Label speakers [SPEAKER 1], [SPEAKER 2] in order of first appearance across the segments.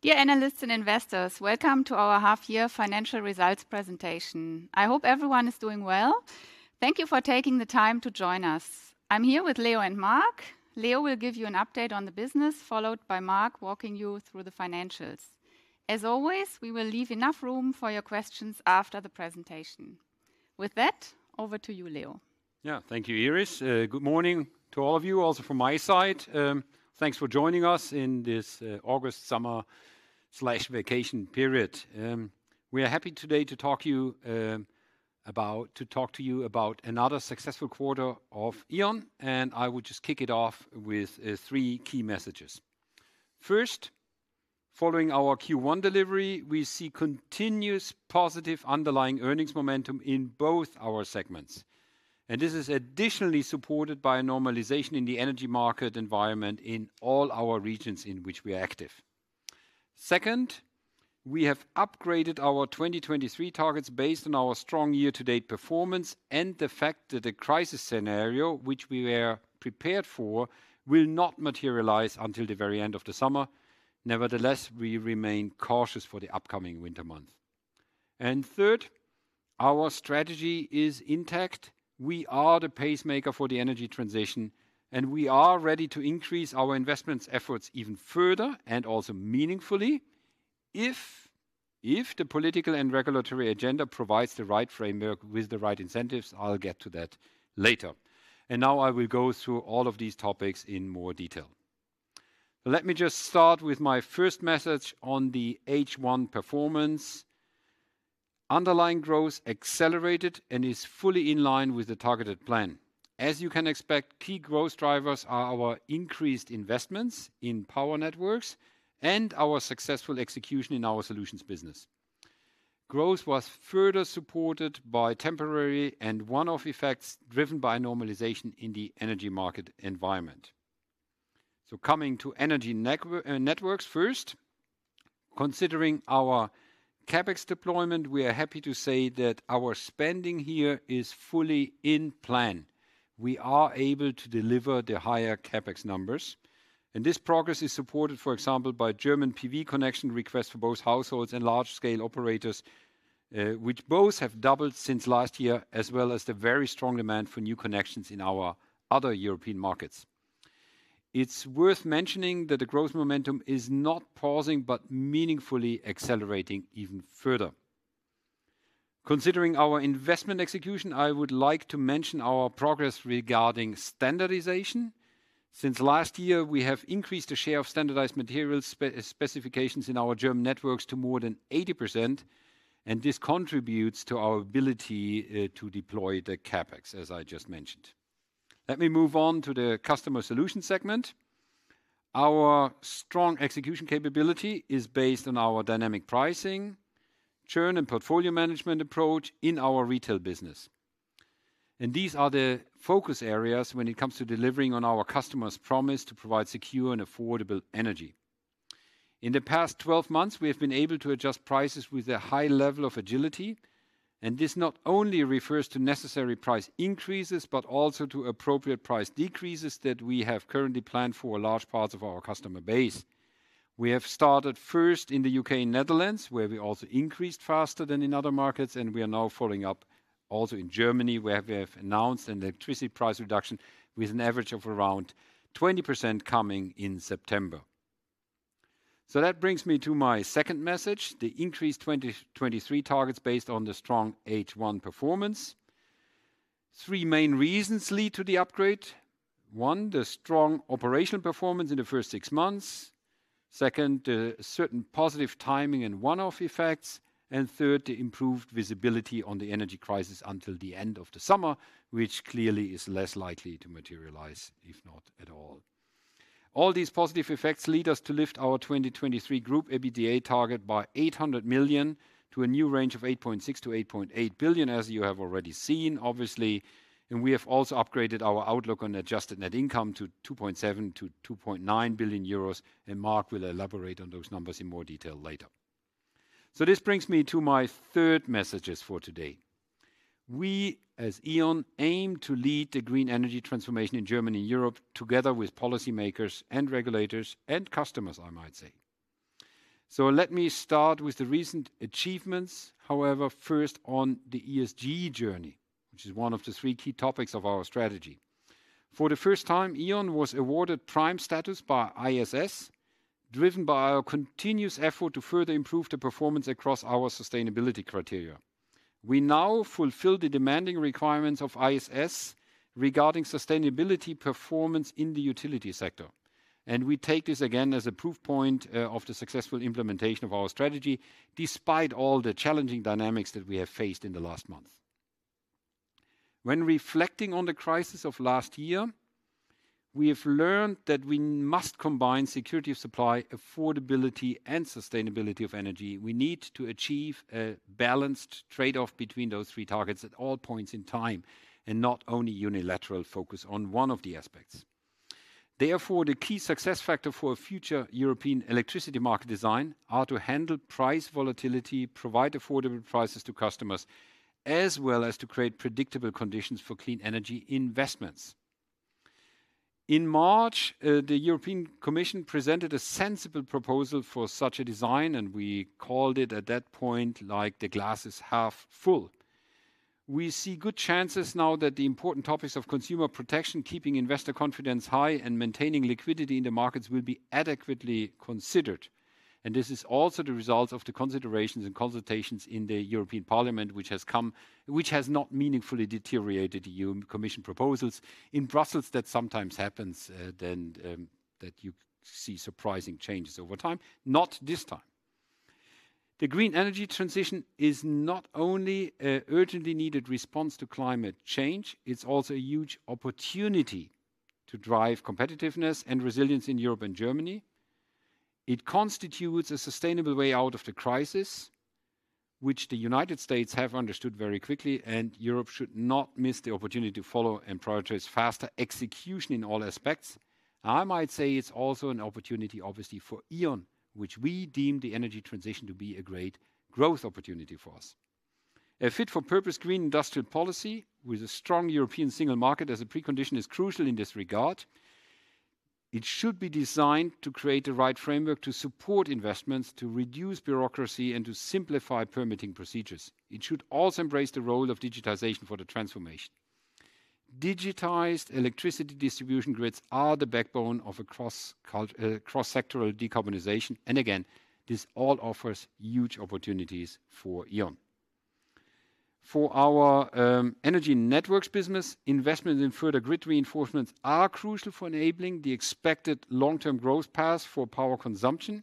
[SPEAKER 1] Dear analysts and investors, welcome to our half-year financial results presentation. I hope everyone is doing well. Thank you for taking the time to join us. I'm here with Leo and Marc. Leo will give you an update on the business, followed by Marc walking you through the financials. As always, we will leave enough room for your questions after the presentation. With that, over to you, Leo.
[SPEAKER 2] Yeah. Thank you, Iris. Good morning to all of you, also from my side. Thanks for joining us in this August summer/ vacation period. We are happy today to talk to you about another successful quarter of E.ON, and I will just kick it off with three key messages. First, following our Q1 delivery, we see continuous positive underlying earnings momentum in both our segments, and this is additionally supported by a normalization in the energy market environment in all our regions in which we are active. Second, we have upgraded our 2023 targets based on our strong year-to-date performance and the fact that a crisis scenario, which we were prepared for, will not materialize until the very end of the summer. Nevertheless, we remain cautious for the upcoming winter months. Third, our strategy is intact. We are the pacemaker for the energy transition, and we are ready to increase our investments efforts even further and also meaningfully if, if the political and regulatory agenda provides the right framework with the right incentives. I'll get to that later. Now I will go through all of these topics in more detail. Let me just start with my first message on the H1 performance. Underlying growth accelerated and is fully in line with the targeted plan. As you can expect, key growth drivers are our increased investments in power networks and our successful execution in our solutions business. Growth was further supported by temporary and one-off effects, driven by normalization in the energy market environment. Coming to energy network, networks first. Considering our CapEx deployment, we are happy to say that our spending here is fully in plan. We are able to deliver the higher CapEx numbers. This progress is supported, for example, by German PV connection requests for both households and large-scale operators, which both have doubled since last year, as well as the very strong demand for new connections in our other European markets. It's worth mentioning that the growth momentum is not pausing, but meaningfully accelerating even further. Considering our investment execution, I would like to mention our progress regarding standardization. Since last year, we have increased the share of standardized material specifications in our German networks to more than 80%, and this contributes to our ability to deploy the CapEx, as I just mentioned. Let me move on to the Customer Solutions segment. Our strong execution capability is based on our dynamic pricing, churn, and portfolio management approach in our retail business. These are the focus areas when it comes to delivering on our customers' promise to provide secure and affordable energy. In the past 12 months, we have been able to adjust prices with a high level of agility. This not only refers to necessary price increases, but also to appropriate price decreases that we have currently planned for large parts of our customer base. We have started first in the U.K. and Netherlands, where we also increased faster than in other markets. We are now following up also in Germany, where we have announced an electricity price reduction with an average of around 20% coming in September. That brings me to my second message: the increased 2023 targets based on the strong H1 performance. Three main reasons lead to the upgrade. One, the strong operational performance in the first 6 months. Second, certain positive timing and one-off effects. Third, the improved visibility on the energy crisis until the end of the summer, which clearly is less likely to materialize, if not at all. All these positive effects lead us to lift our 2023 group EBITDA target by €800 million to a new range of 8.6 billion- 8.8 billion, as you have already seen, obviously. We have also upgraded our outlook on adjusted net income to 2.7 billion- 2.9 billion euros, and Marc will elaborate on those numbers in more detail later. This brings me to my third messages for today. We, as E.ON, aim to lead the green energy transformation in Germany and Europe, together with policymakers and regulators and customers, I might say. Let me start with the recent achievements, however, first on the ESG journey, which is one of the three key topics of our strategy. For the first time, E.ON was awarded prime status by ISS, driven by our continuous effort to further improve the performance across our sustainability criteria. We now fulfill the demanding requirements of ISS regarding sustainability performance in the utility sector, and we take this again as a proof point of the successful implementation of our strategy, despite all the challenging dynamics that we have faced in the last months. When reflecting on the crisis of last year, we have learned that we must combine security of supply, affordability, and sustainability of energy. We need to achieve a balanced trade-off between those three targets at all points in time, and not only unilateral focus on one of the aspects. Therefore, the key success factor for a future European electricity market design are to handle price volatility, provide affordable prices to customers, as well as to create predictable conditions for clean energy investments. In March, the European Commission presented a sensible proposal for such a design, we called it at that point, like, the glass is half full. We see good chances now that the important topics of consumer protection, keeping investor confidence high, and maintaining liquidity in the markets will be adequately considered. This is also the result of the considerations and consultations in the European Parliament, which has not meaningfully deteriorated EU Commission proposals. In Brussels, that sometimes happens, then, that you see surprising changes over time. Not this time. The green energy transition is not only an urgently needed response to climate change, it's also a huge opportunity to drive competitiveness and resilience in Europe and Germany. It constitutes a sustainable way out of the crisis, which the United States have understood very quickly, Europe should not miss the opportunity to follow and prioritize faster execution in all aspects. I might say it's also an opportunity, obviously, for E.ON, which we deem the energy transition to be a great growth opportunity for us. A fit-for-purpose green industrial policy with a strong European single market as a precondition is crucial in this regard. It should be designed to create the right framework to support investments, to reduce bureaucracy, and to simplify permitting procedures. It should also embrace the role of digitization for the transformation. Digitized electricity distribution grids are the backbone of a cross-sectoral decarbonization. Again, this all offers huge opportunities for E.ON. For our energy networks business, investments in further grid reinforcements are crucial for enabling the expected long-term growth path for power consumption.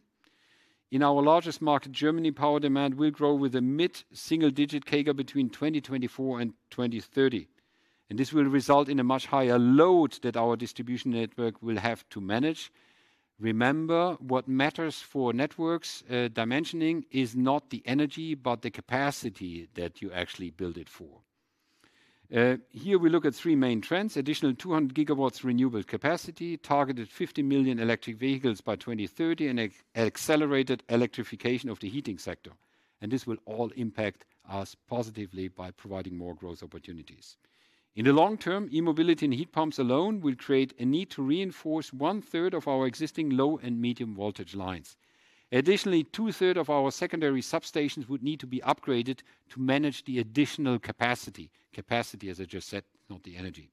[SPEAKER 2] In our largest market, Germany, power demand will grow with a mid-single-digit CAGR between 2024 and 2030. This will result in a much higher load that our distribution network will have to manage. Remember, what matters for networks dimensioning is not the energy, but the capacity that you actually build it for. Here we look at three main trends: additional 200 gigawatts renewable capacity, targeted 50 million electric vehicles by 2030, and accelerated electrification of the heating sector. This will all impact us positively by providing more growth opportunities. In the long term, e-mobility and heat pumps alone will create a need to reinforce one-third of our existing low and medium voltage lines. Additionally, two-thirds of our secondary substations would need to be upgraded to manage the additional capacity. Capacity, as I just said, not the energy.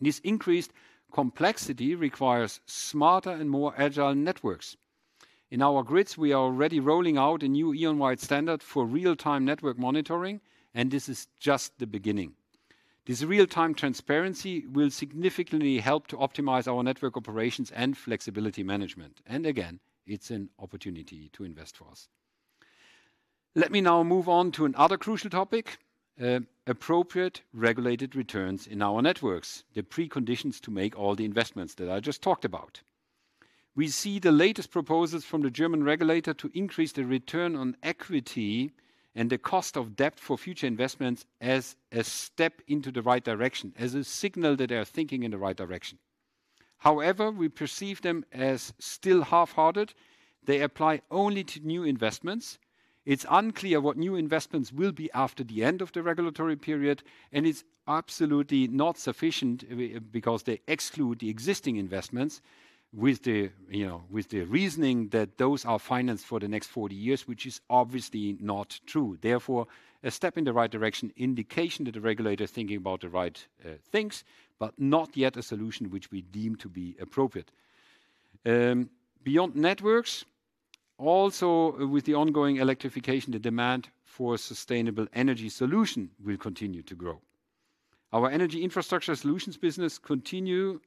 [SPEAKER 2] This increased complexity requires smarter and more agile networks. In our grids, we are already rolling out a new E.ON-wide standard for real-time network monitoring. This is just the beginning. This real-time transparency will significantly help to optimize our network operations and flexibility management. Again, it's an opportunity to invest for us. Let me now move on to another crucial topic, appropriate regulated returns in our networks, the preconditions to make all the investments that I just talked about. We see the latest proposals from the German regulator to increase the return on equity and the cost of debt for future investments as a step into the right direction, as a signal that they are thinking in the right direction. However, we perceive them as still half-hearted. They apply only to new investments. It's unclear what new investments will be after the end of the regulatory period, and it's absolutely not sufficient because they exclude the existing investments with the, you know, with the reasoning that those are financed for the next 40 years, which is obviously not true. Therefore, a step in the right direction, indication that the regulator is thinking about the right things, but not yet a solution which we deem to be appropriate. Beyond networks, also with the ongoing electrification, the demand for sustainable energy solution will continue to grow. Our energy infrastructure solutions business continue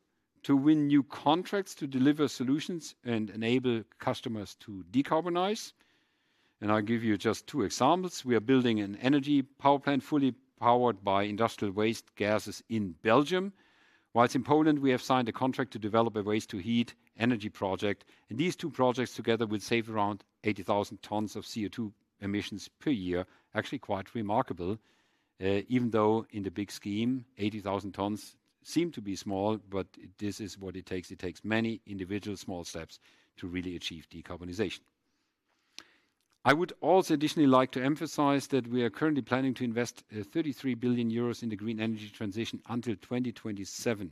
[SPEAKER 2] to win new contracts to deliver solutions and enable customers to decarbonize, and I'll give you just two examples. We are building an energy power plant fully powered by industrial waste gases in Belgium, whilst in Poland, we have signed a contract to develop a waste-to-heat energy project. These two projects together will save around 80,000 tons of CO2 emissions per year. Actually, quite reMarcable, even though in the big scheme, 80,000 tons seem to be small, but this is what it takes. It takes many individual small steps to really achieve decarbonization. I would also additionally like to emphasize that we are currently planning to invest 33 billion euros in the green energy transition until 2027.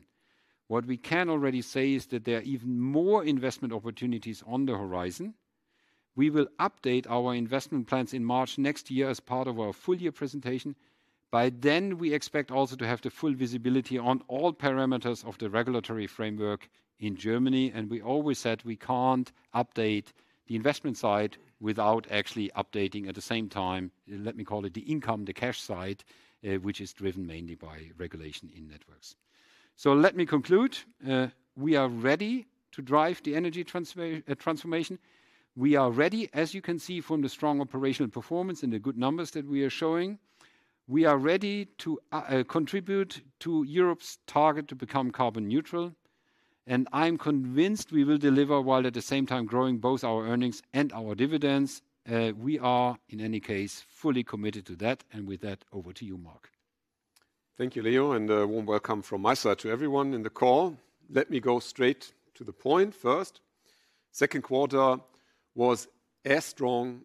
[SPEAKER 2] What we can already say is that there are even more investment opportunities on the horizon. We will update our investment plans in March next year as part of our full-year presentation. By then, we expect also to have the full visibility on all parameters of the regulatory framework in Germany, and we always said we can't update the investment side without actually updating at the same time, let me call it the income, the cash side, which is driven mainly by regulation in networks. Let me conclude. We are ready to drive the energy transformation. We are ready, as you can see from the strong operational performance and the good numbers that we are showing. We are ready to contribute to Europe's target to become carbon neutral, and I'm convinced we will deliver, while at the same time growing both our earnings and our dividends. We are, in any case, fully committed to that. With that, over to you, Marc.
[SPEAKER 3] Thank you, Leo, and a warm welcome from my side to everyone in the call. Let me go straight to the point first. Second quarter was as strong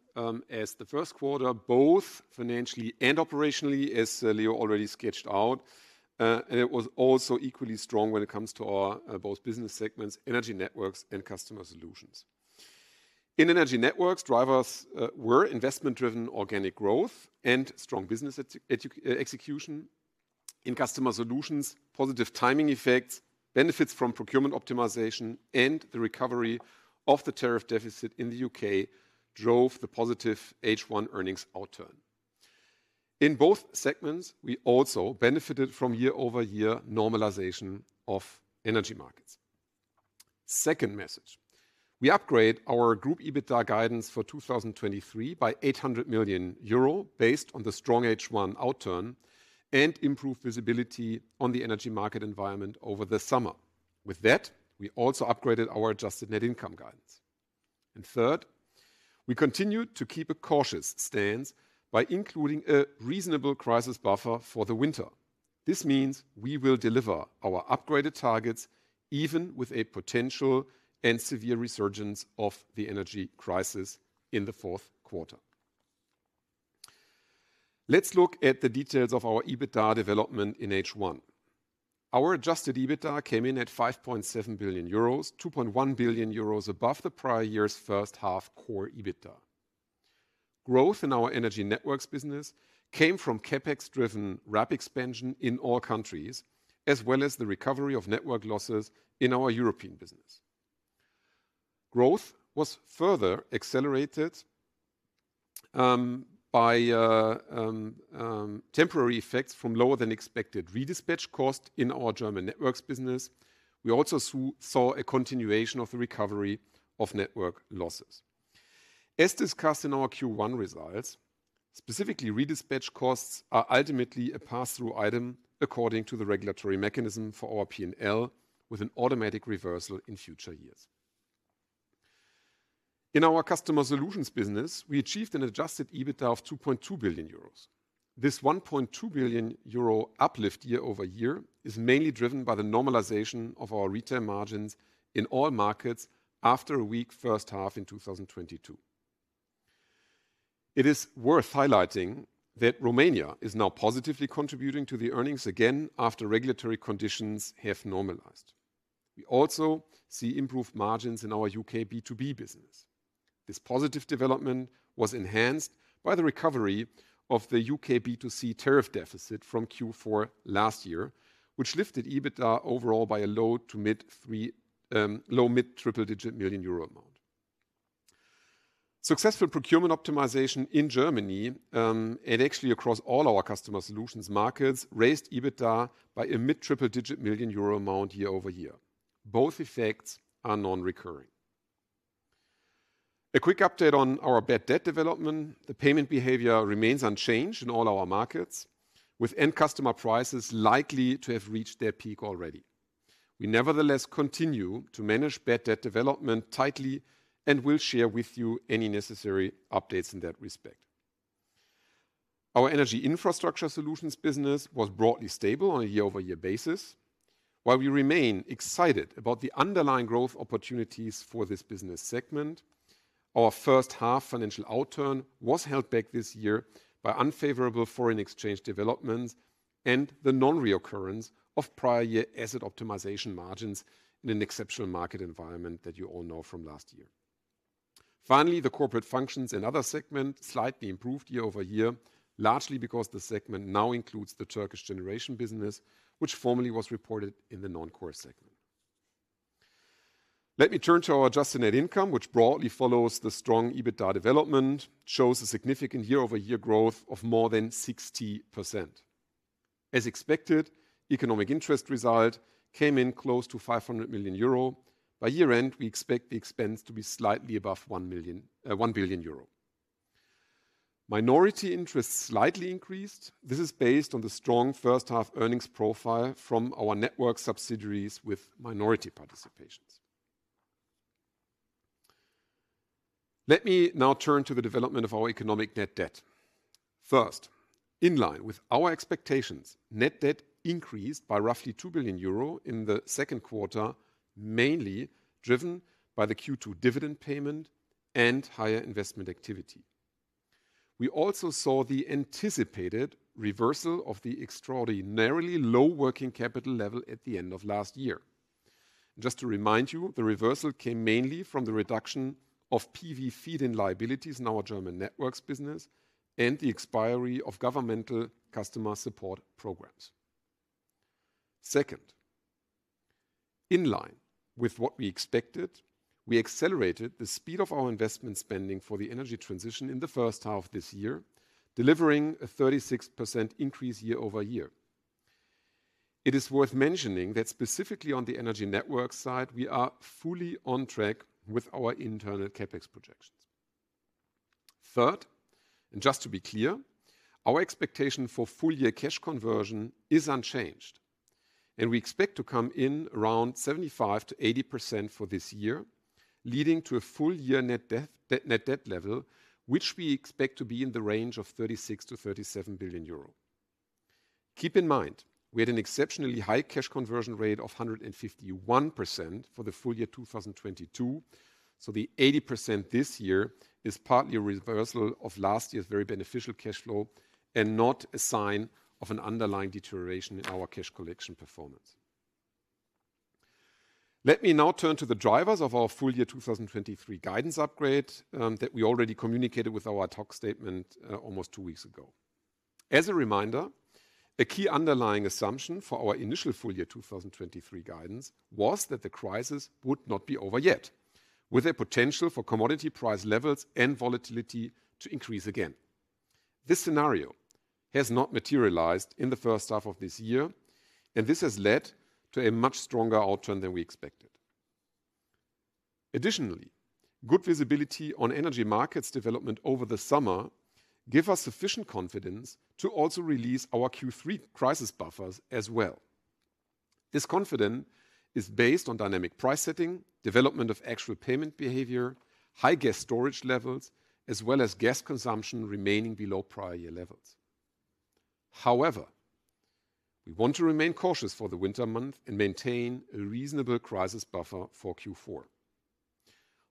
[SPEAKER 3] as the first quarter, both financially and operationally, as Leo already sketched out. It was also equally strong when it comes to our both business segments, Energy Networks and Customer Solutions. In Energy Networks, drivers were investment-driven organic growth and strong business execution. In Customer Solutions, positive timing effects, benefits from procurement optimization, and the recovery of the tariff deficit in the U.K. drove the positive H1 earnings outturn. In both segments, we also benefited from year-over-year normalization of energy markets. Second message: we upgrade our group EBITDA guidance for 2023 by 800 million euro, based on the strong H1 outturn and improved visibility on the energy Marcet environment over the summer. We also upgraded our adjusted net income guidance. Third, we continue to keep a cautious stance by including a reasonable crisis buffer for the winter. This means we will deliver our upgraded targets even with a potential and severe resurgence of the energy crisis in the fourth quarter. Let's look at the details of our EBITDA development in H1. Our adjusted EBITDA came in at 5.7 billion euros, 2.1 billion euros above the prior year's H1 core EBITDA. Growth in our energy networks business came from CapEx-driven rapid expansion in all countries, as well as the recovery of network losses in our European business. Growth was further accelerated by temporary effects from lower-than-expected redispatch cost in our German networks business. We also saw a continuation of the recovery of network losses. As discussed in our Q1 results, specifically, redispatch costs are ultimately a pass-through item according to the regulatory mechanism for our P&L, with an automatic reversal in future years. In our Customer Solutions business, we achieved an adjusted EBITDA of 2.2 billion euros. This 1.2 billion euro uplift year-over-year is mainly driven by the normalization of our retail margins in all markets after a weak first half in 2022. It is worth highlighting that Romania is now positively contributing to the earnings again after regulatory conditions have normalized. We also see improved margins in our U.K. B2B business. This positive development was enhanced by the recovery of the U.K. B2C tariff deficit from Q4 last year, which lifted EBITDA overall by a low-mid triple-digit million euro amount. Successful procurement optimization in Germany, and actually across all our Customer Solutions markets, raised EBITDA by a mid triple-digit million euro amount year-over-year. Both effects are non-recurring. A quick update on our bad debt development. The payment behavior remains unchanged in all our markets, with end customer prices likely to have reached their peak already. We nevertheless continue to manage bad debt development tightly and will share with you any necessary updates in that respect. Our energy infrastructure solutions business was broadly stable on a year-over-year basis. While we remain excited about the underlying growth opportunities for this business segment, our first-half financial outturn was held back this year by unfavorable foreign exchange developments and the non-reoccurrence of prior year asset optimization margins in an exceptional Marcet environment that you all know from last year. Finally, the corporate functions and other segment slightly improved year-over-year, largely because the segment now includes the Turkish generation business, which formerly was reported in the non-core segment. Let me turn to our adjusted net income, which broadly follows the strong EBITDA development, shows a significant year-over-year growth of more than 60%. As expected, economic interest result came in close to 500 million euro. By year-end, we expect the expense to be slightly above 1 billion euro. Minority interest slightly increased. This is based on the strong first-half earnings profile from our network subsidiaries with minority participations. Let me now turn to the development of our economic net debt. In line with our expectations, net debt increased by roughly 2 billion euro in Q2, mainly driven by the Q2 dividend payment and higher investment activity. We also saw the anticipated reversal of the extraordinarily low working capital level at the end of last year. Just to remind you, the reversal came mainly from the reduction of PV feed-in liabilities in our German networks business and the expiry of governmental customer support programs. In line with what we expected, we accelerated the speed of our investment spending for the energy transition in H1 of this year, delivering a 36% increase year-over-year. It is worth mentioning that specifically on the energy network side, we are fully on track with our internal CapEx projections. Third, just to be clear, our expectation for full-year cash conversion is unchanged, and we expect to come in around 75%-80% for this year, leading to a full-year net debt level, which we expect to be in the range of 36 billion-37 billion euro. Keep in mind, we had an exceptionally high cash conversion rate of 151% for the full year 2022, the 80% this year is partly a reversal of last year's very beneficial cash flow and not a sign of an underlying deterioration in our cash collection performance. Let me now turn to the drivers of our full year 2023 guidance upgrade that we already communicated with our talk statement almost two weeks ago. As a reminder, a key underlying assumption for our initial full year 2023 guidance was that the crisis would not be over yet, with a potential for commodity price levels and volatility to increase again. This scenario has not materialized in the first half of this year. This has led to a much stronger outturn than we expected. Additionally, good visibility on energy markets development over the summer give us sufficient confidence to also release our Q3 crisis buffers as well. This confidence is based on dynamic price setting, development of actual payment behavior, high gas storage levels, as well as gas consumption remaining below prior year levels. We want to remain cautious for the winter month and maintain a reasonable crisis buffer for Q4.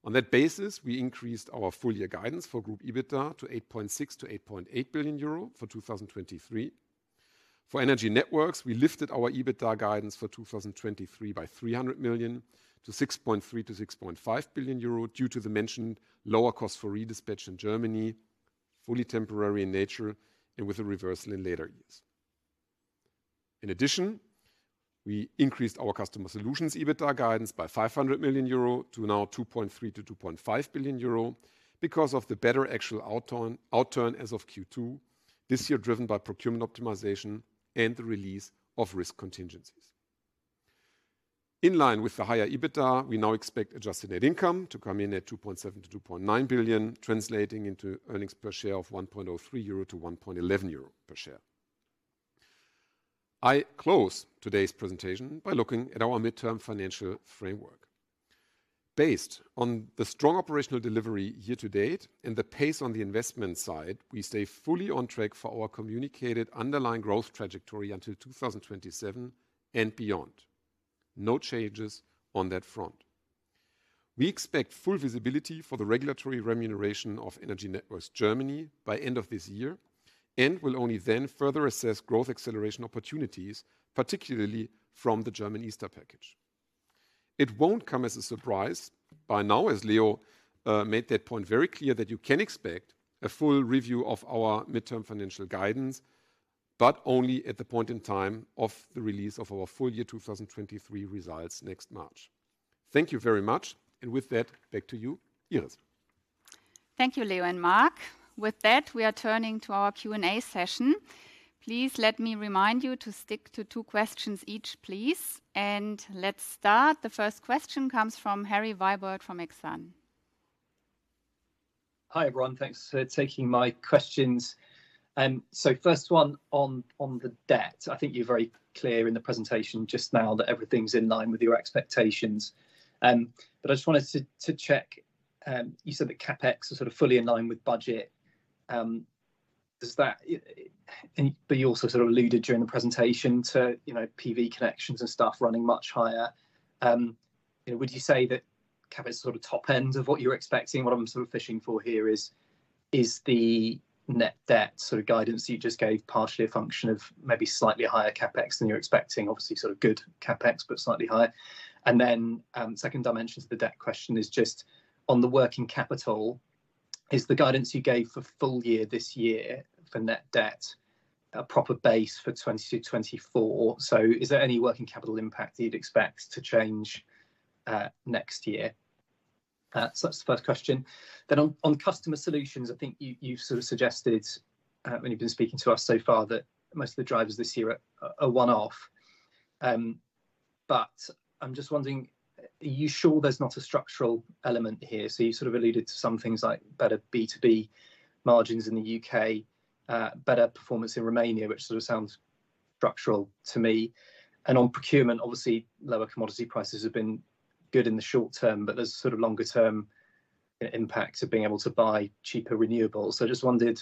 [SPEAKER 3] On that basis, we increased our full year guidance for Group EBITDA to 8.6 billion-8.8 billion euro for 2023. For Energy Networks, we lifted our EBITDA guidance for 2023 by 300 million to 6.3 billion-6.5 billion euro, due to the mentioned lower cost for redispatch in Germany, fully temporary in nature and with a reversal in later years. We increased our Customer Solutions EBITDA guidance by 500 million euro to now 2.3 billion-2.5 billion euro because of the better actual outturn as of Q2 this year, driven by procurement optimization and the release of risk contingencies. In line with the higher EBITDA, we now expect adjusted net income to come in at 2.7 billion-2.9 billion, translating into earnings per share of 1.03 euro- 1.11 euro per share. I close today's presentation by looking at our midterm financial framework. Based on the strong operational delivery year-to-date and the pace on the investment side, we stay fully on track for our communicated underlying growth trajectory until 2027 and beyond. No changes on that front. We expect full visibility for the regulatory remuneration of energy networks, Germany, by end of this year, and will only then further assess growth acceleration opportunities, particularly from the German Easter Package. It won't come as a surprise by now, as Leo made that point very clear, that you can expect a full review of our midterm financial guidance, but only at the point in time of the release of our full year 2023 results next March. Thank you very much, and with that, back to you, Iris.
[SPEAKER 1] Thank you, Leo and Marc. With that, we are turning to our Q&A session. Please let me remind you to stick to two questions each, please, and let's start. The first question comes from Harry Wyburd from Exane.
[SPEAKER 4] Hi, everyone. Thanks for taking my questions. First one on, on the debt. I think you're very clear in the presentation just now that everything's in line with your expectations, I just wanted to check. You said that CapEx is sort of fully in line with budget, does that... and but you also sort of alluded during the presentation to, you know, PV connections and stuff running much higher. You know, would you say that CapEx is sort of top end of what you're expecting? What I'm sort of fishing for here is, is the net debt sort of guidance you just gave, partially a function of maybe slightly higher CapEx than you're expecting? Obviously, sort of good CapEx, but slightly higher. Then, second dimension to the debt question is just on the working capital, is the guidance you gave for full year this year for net debt, a proper base for 2024? Is there any working capital impact you'd expect to change next year? That's the first question. On customer solutions, I think you, you sort of suggested when you've been speaking to us so far, that most of the drivers this year are, are one-off. But I'm just wondering, are you sure there's not a structural element here? You sort of alluded to some things like better B2B margins in the U.K., better performance in Romania, which sort of sounds structural to me. On procurement, obviously, lower commodity prices have been good in the short term, but there's sort of longer term impact of being able to buy cheaper renewables. I just wondered,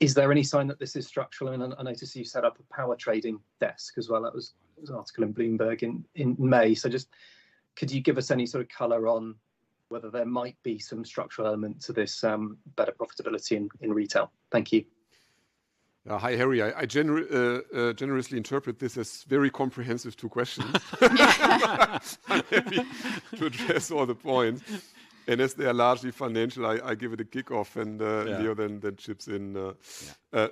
[SPEAKER 4] is there any sign that this is structural? I mean, I noticed you set up a power trading desk as well. That was an article in Bloomberg in May. Just could you give us any sort of color on whether there might be some structural element to this, better profitability in retail? Thank you.
[SPEAKER 3] Hi, Harry. I generously interpret this as very comprehensive two questions. To address all the points, and as they are largely financial, I give it a kick off.
[SPEAKER 4] Yeah...
[SPEAKER 3] Leo, then, then chips in.
[SPEAKER 4] Yeah.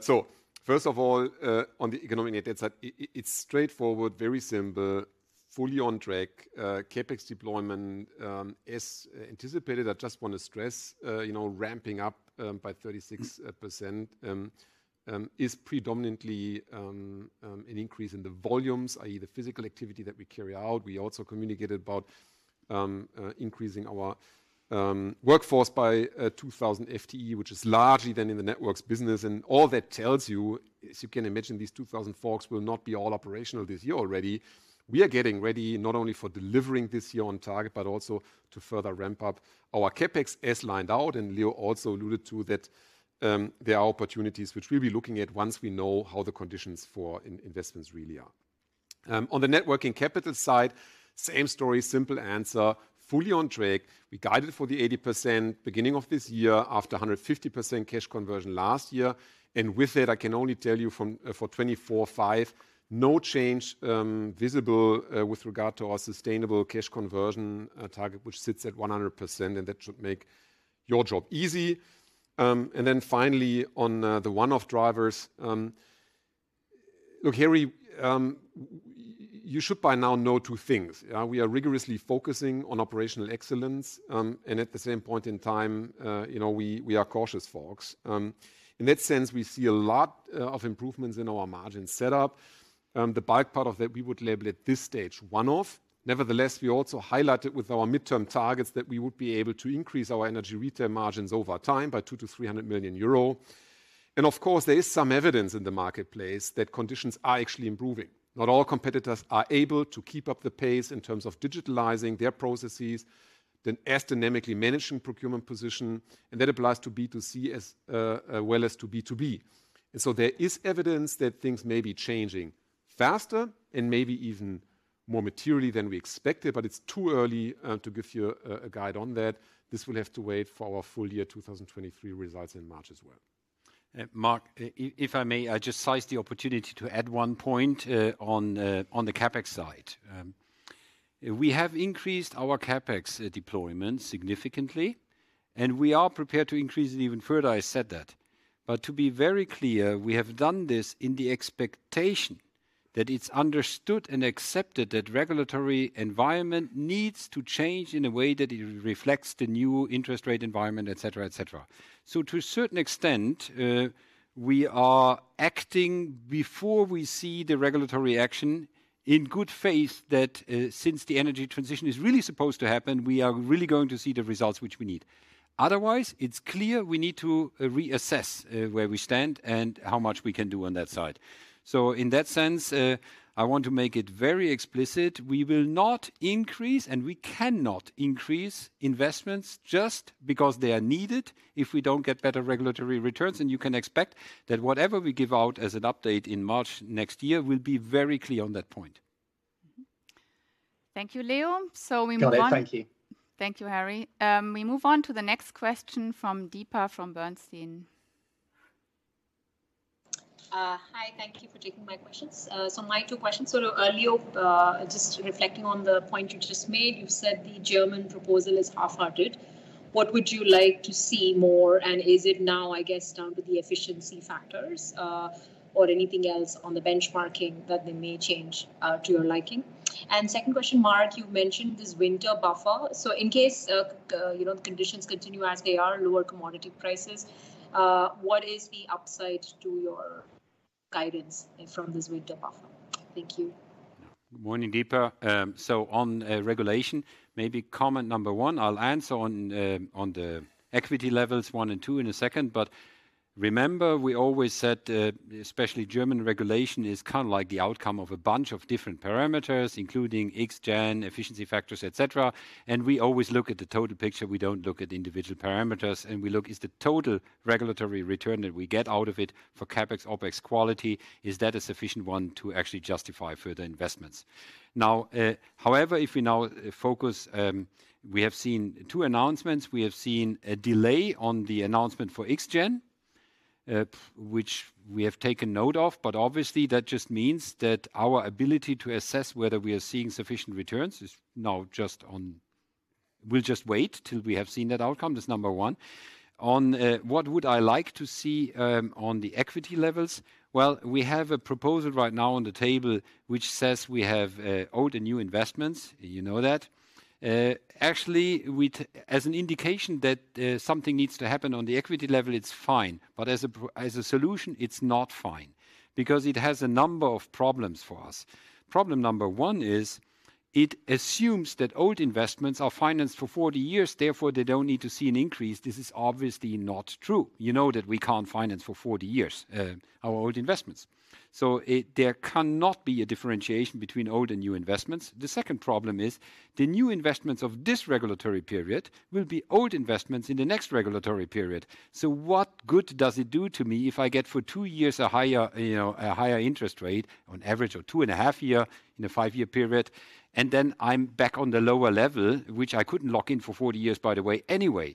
[SPEAKER 3] First of all, on the economic net debt side, it's straightforward, very simple, fully on track. CapEx deployment is anticipated. I just want to stress, you know, ramping up by 36% is predominantly an increase in the volumes, i.e., the physical activity that we carry out. We also communicated about increasing our workforce by 2,000 FTE, which is largely then in the networks business. All that tells you, as you can imagine, these 2,000 folks will not be all operational this year already. We are getting ready not only for delivering this year on target, but also to further ramp up our CapEx as lined out. Leo also alluded to that, there are opportunities which we'll be looking at once we know how the conditions for investments really are. On the net working capital side, same story, simple answer: fully on track. We guided for the 80% beginning of this year, after a 150% cash conversion last year. With that, I can only tell you from, for 2024, 2025, no change visible with regard to our sustainable cash conversion target, which sits at 100%, and that should make your job easy. Then finally, on the one-off drivers, look, Harry, you should by now know two things: we are rigorously focusing on operational excellence, and at the same point in time, you know, we, we are cautious folks. In that sense, we see a lot of improvements in our margin setup. The back part of that, we would label at this stage, one-off. Nevertheless, we also highlighted with our midterm targets that we would be able to increase our energy retail margins over time by 200 million- 300 million euro. Of course, there is some evidence in the Marcetplace that conditions are actually improving. Not all competitors are able to keep up the pace in terms of digitalizing their processes, then as dynamically managing procurement position, and that applies to B2C as well as to B2B. There is evidence that things may be changing faster and maybe even more materially than we expected, but it's too early to give you a guide on that. This will have to wait for our full year 2023 results in March as well.
[SPEAKER 2] Marc, if I may, I just seize the opportunity to add one point on the CapEx side. We have increased our CapEx deployment significantly. We are prepared to increase it even further. I said that. To be very clear, we have done this in the expectation that it's understood and accepted that regulatory environment needs to change in a way that it reflects the new interest rate environment, et cetera, et cetera. To a certain extent, we are acting before we see the regulatory action in good faith that since the energy transition is really supposed to happen, we are really going to see the results which we need. Otherwise, it's clear we need to reassess where we stand and how much we can do on that side. In that sense, I want to make it very explicit, we will not increase, and we cannot increase investments just because they are needed if we don't get better regulatory returns. You can expect that whatever we give out as an update in March next year, will be very clear on that point.
[SPEAKER 1] Thank you, Leo. We move on-
[SPEAKER 4] Got it. Thank you.
[SPEAKER 1] Thank you, Harry. We move on to the next question from Deepa, from Bernstein.
[SPEAKER 5] Hi, thank you for taking my questions. My two questions. Earlier, just reflecting on the point you just made, you said the German proposal is half-hearted. What would you like to see more? Is it now, I guess, down to the efficiency factors or anything else on the benchmarking that they may change to your liking? Second question, Marc, you mentioned this winter buffer. In case, you know, the conditions continue as they are, lower commodity prices, what is the upside to your guidance from this winter buffer? Thank you.
[SPEAKER 3] Morning, Deepa. On regulation, maybe comment number one, I'll answer on the equity levels one and two in a second. Remember, we always said, especially German regulation is kind of like the outcome of a bunch of different parameters, including Xgen, efficiency factors, et cetera, and we always look at the total picture. We don't look at individual parameters, and we look is the total regulatory return that we get out of it for CapEx, OpEx quality, is that a sufficient one to actually justify further investments? If we now focus, We have seen two announcements. We have seen a delay on the announcement for Xgen, which we have taken note of, but obviously, that just means that our ability to assess whether we are seeing sufficient returns is now just on. We'll just wait till we have seen that outcome. That's number one. On what would I like to see on the equity levels? Well, we have a proposal right now on the table, which says we have old and new investments. You know that. Actually, we as an indication that something needs to happen on the equity level, it's fine. As a solution, it's not fine because it has a number of problems for us. Problem number one is: it assumes that old investments are financed for 40 years, therefore, they don't need to see an increase. This is obviously not true. You know that we can't finance for 40 years, our old investments, so there cannot be a differentiation between old and new investments. The second problem is, the new investments of this regulatory period will be old investments in the next regulatory period. What good does it do to me if I get for two years a higher, you know, a higher interest rate on average, or 2.5 years in a five-year period, and then I'm back on the lower level, which I couldn't lock in for 40 years, by the way, anyway?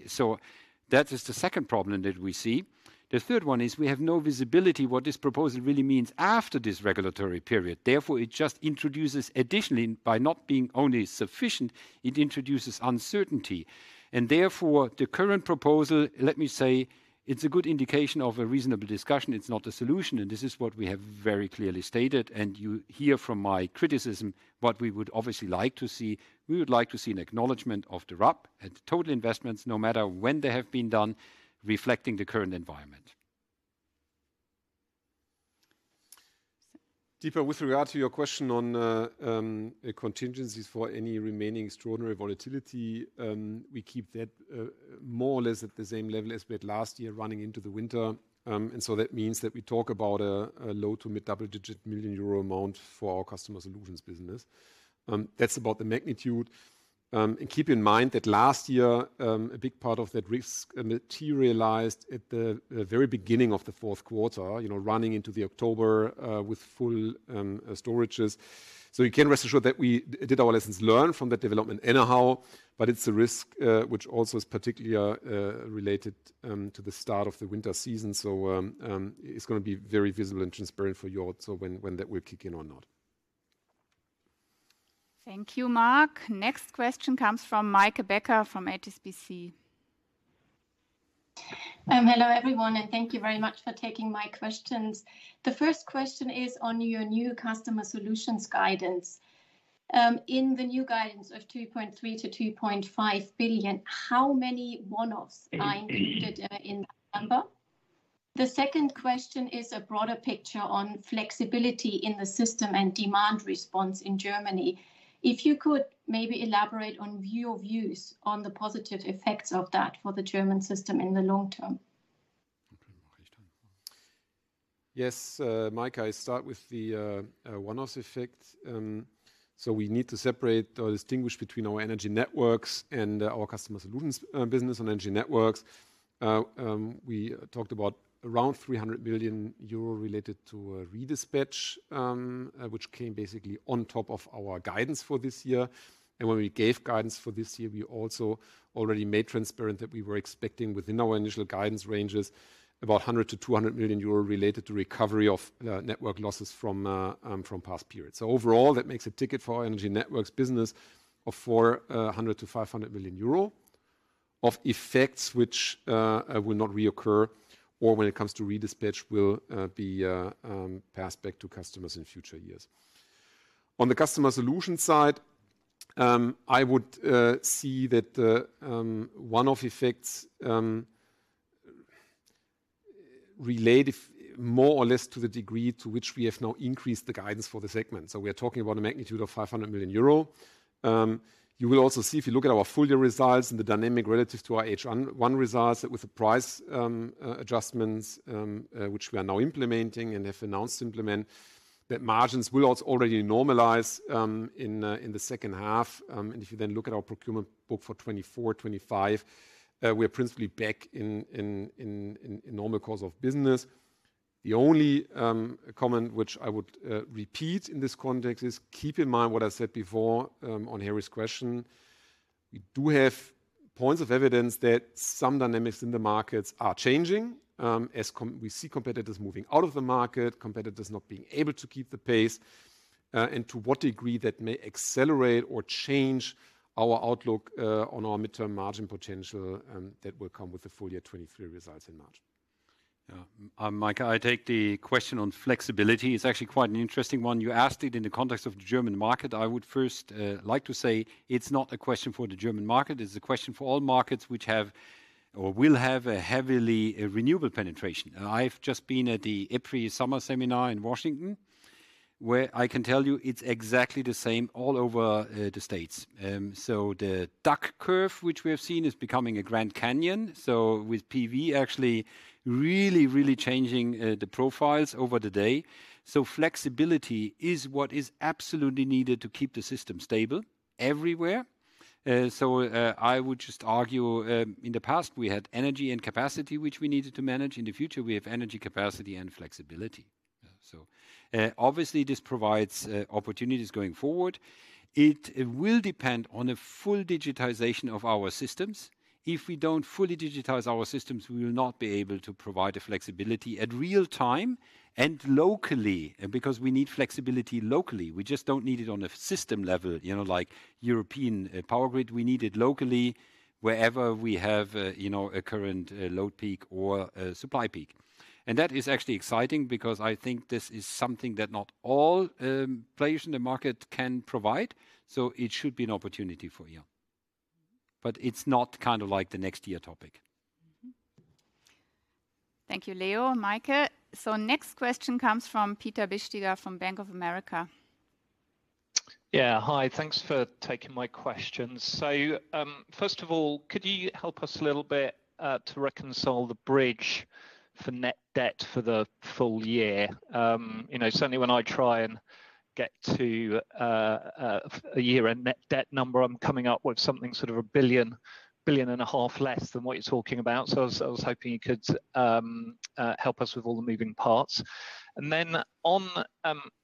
[SPEAKER 3] That is the second problem that we see. The third one is, we have no visibility what this proposal really means after this regulatory period. It just introduces additionally, by not being only sufficient, it introduces uncertainty. Therefore, the current proposal, let me say, it's a good indication of a reasonable discussion. It's not a solution, and this is what we have very clearly stated. You hear from my criticism what we would obviously like to see. We would like to see an acknowledgment of the RUP and the total investments, no matter when they have been done, reflecting the current environment.
[SPEAKER 2] Deepa, with regard to your question on contingencies for any remaining extraordinary volatility, we keep that more or less at the same level as we had last year running into the winter. That means that we talk about a low to mid double-digit million euro amount for our Customer Solutions business. That's about the magnitude. Keep in mind that last year, a big part of that risk materialized at the very beginning of the fourth quarter, you know, running into the October with full storages. You can rest assured that we did our lessons learned from that development anyhow, but it's a risk which also is particularly related to the start of the winter season. It's gonna be very visible and transparent for you also when, when that will kick in or not.
[SPEAKER 1] Thank you, Marc. Next question comes from Meike Becker from HSBC.
[SPEAKER 6] Hello, everyone, thank you very much for taking my questions. The first question is on your new Customer Solutions guidance. In the new guidance of 2.3 billion- 2.5 billion, how many one-offs are included in that number? The second question is a broader picture on flexibility in the system and demand response in Germany. If you could maybe elaborate on your views on the positive effects of that for the German system in the long term.
[SPEAKER 2] Okay, Christian. Yes, Meike, I start with the one-offs effect. We need to separate or distinguish between our Energy Networks and our Customer Solutions business and Energy Networks. We talked about around 300 million euro related to redispatch, which came basically on top of our guidance for this year. When we gave guidance for this year, we also already made transparent that we were expecting, within our initial guidance ranges, about 100 million-200 million euro related to recovery of network losses from past periods. Overall, that makes a ticket for our Energy Networks business of 400 million-500 million euro of effects which will not reoccur, or when it comes to redispatch, will be passed back to customers in future years. On the Customer Solutions side, I would see that the one-off effects relate if more or less to the degree to which we have now increased the guidance for the segment. We are talking about a magnitude of 500 million euro. You will also see, if you look at our full year results and the dynamic relative to our H1 results, that with the price adjustments which we are now implementing and have announced to implement, that margins will also already normalize in the second half. If you then look at our procurement book for 2024, 2025, we're principally back in normal course of business. The only comment which I would repeat in this context is, keep in mind what I said before on Harry's question. We do have points of evidence that some dynamics in the markets are changing, as we see competitors moving out of the Marcet, competitors not being able to keep the pace, and to what degree that may accelerate or change our outlook on our midterm margin potential, that will come with the full year 2023 results in March. Yeah. Meike, I take the question on flexibility. It's actually quite an interesting one. You asked it in the context of the German Marcet. I would first like to say it's not a question for the German Marcet, it's a question for all markets which have or will have a heavily renewable penetration. I've just been at the EPRI Summer Seminar in Washington, where I can tell you it's exactly the same all over the States. The duck curve, which we have seen, is becoming a Grand Canyon, with PV actually really, really changing the profiles over the day. Flexibility is what is absolutely needed to keep the system stable everywhere. I would just argue, in the past, we had energy and capacity, which we needed to manage. In the future, we have energy capacity and flexibility. Obviously, this provides opportunities going forward. It, it will depend on a full digitization of our systems. If we don't fully digitize our systems, we will not be able to provide the flexibility at real time and locally, because we need flexibility locally. We just don't need it on a system level, you know, like European power grid. We need it locally wherever we have, you know, a current load peak or a supply peak. That is actually exciting because I think this is something that not all players in the Marcet can provide, so it should be an opportunity for you. It's not kind of like the next year topic.
[SPEAKER 1] Mm-hmm. Thank you, Leo, Meike. Next question comes from Peter Bisztyga from Bank of America.
[SPEAKER 7] Yeah. Hi, thanks for taking my questions. First of all, could you help us a little bit to reconcile the bridge for net debt for the full year? You know, certainly when I try and get to a year-end net debt number, I'm coming up with something sort of 1 billion, 1.5 billion less than what you're talking about. I was hoping you could help us with all the moving parts. Then on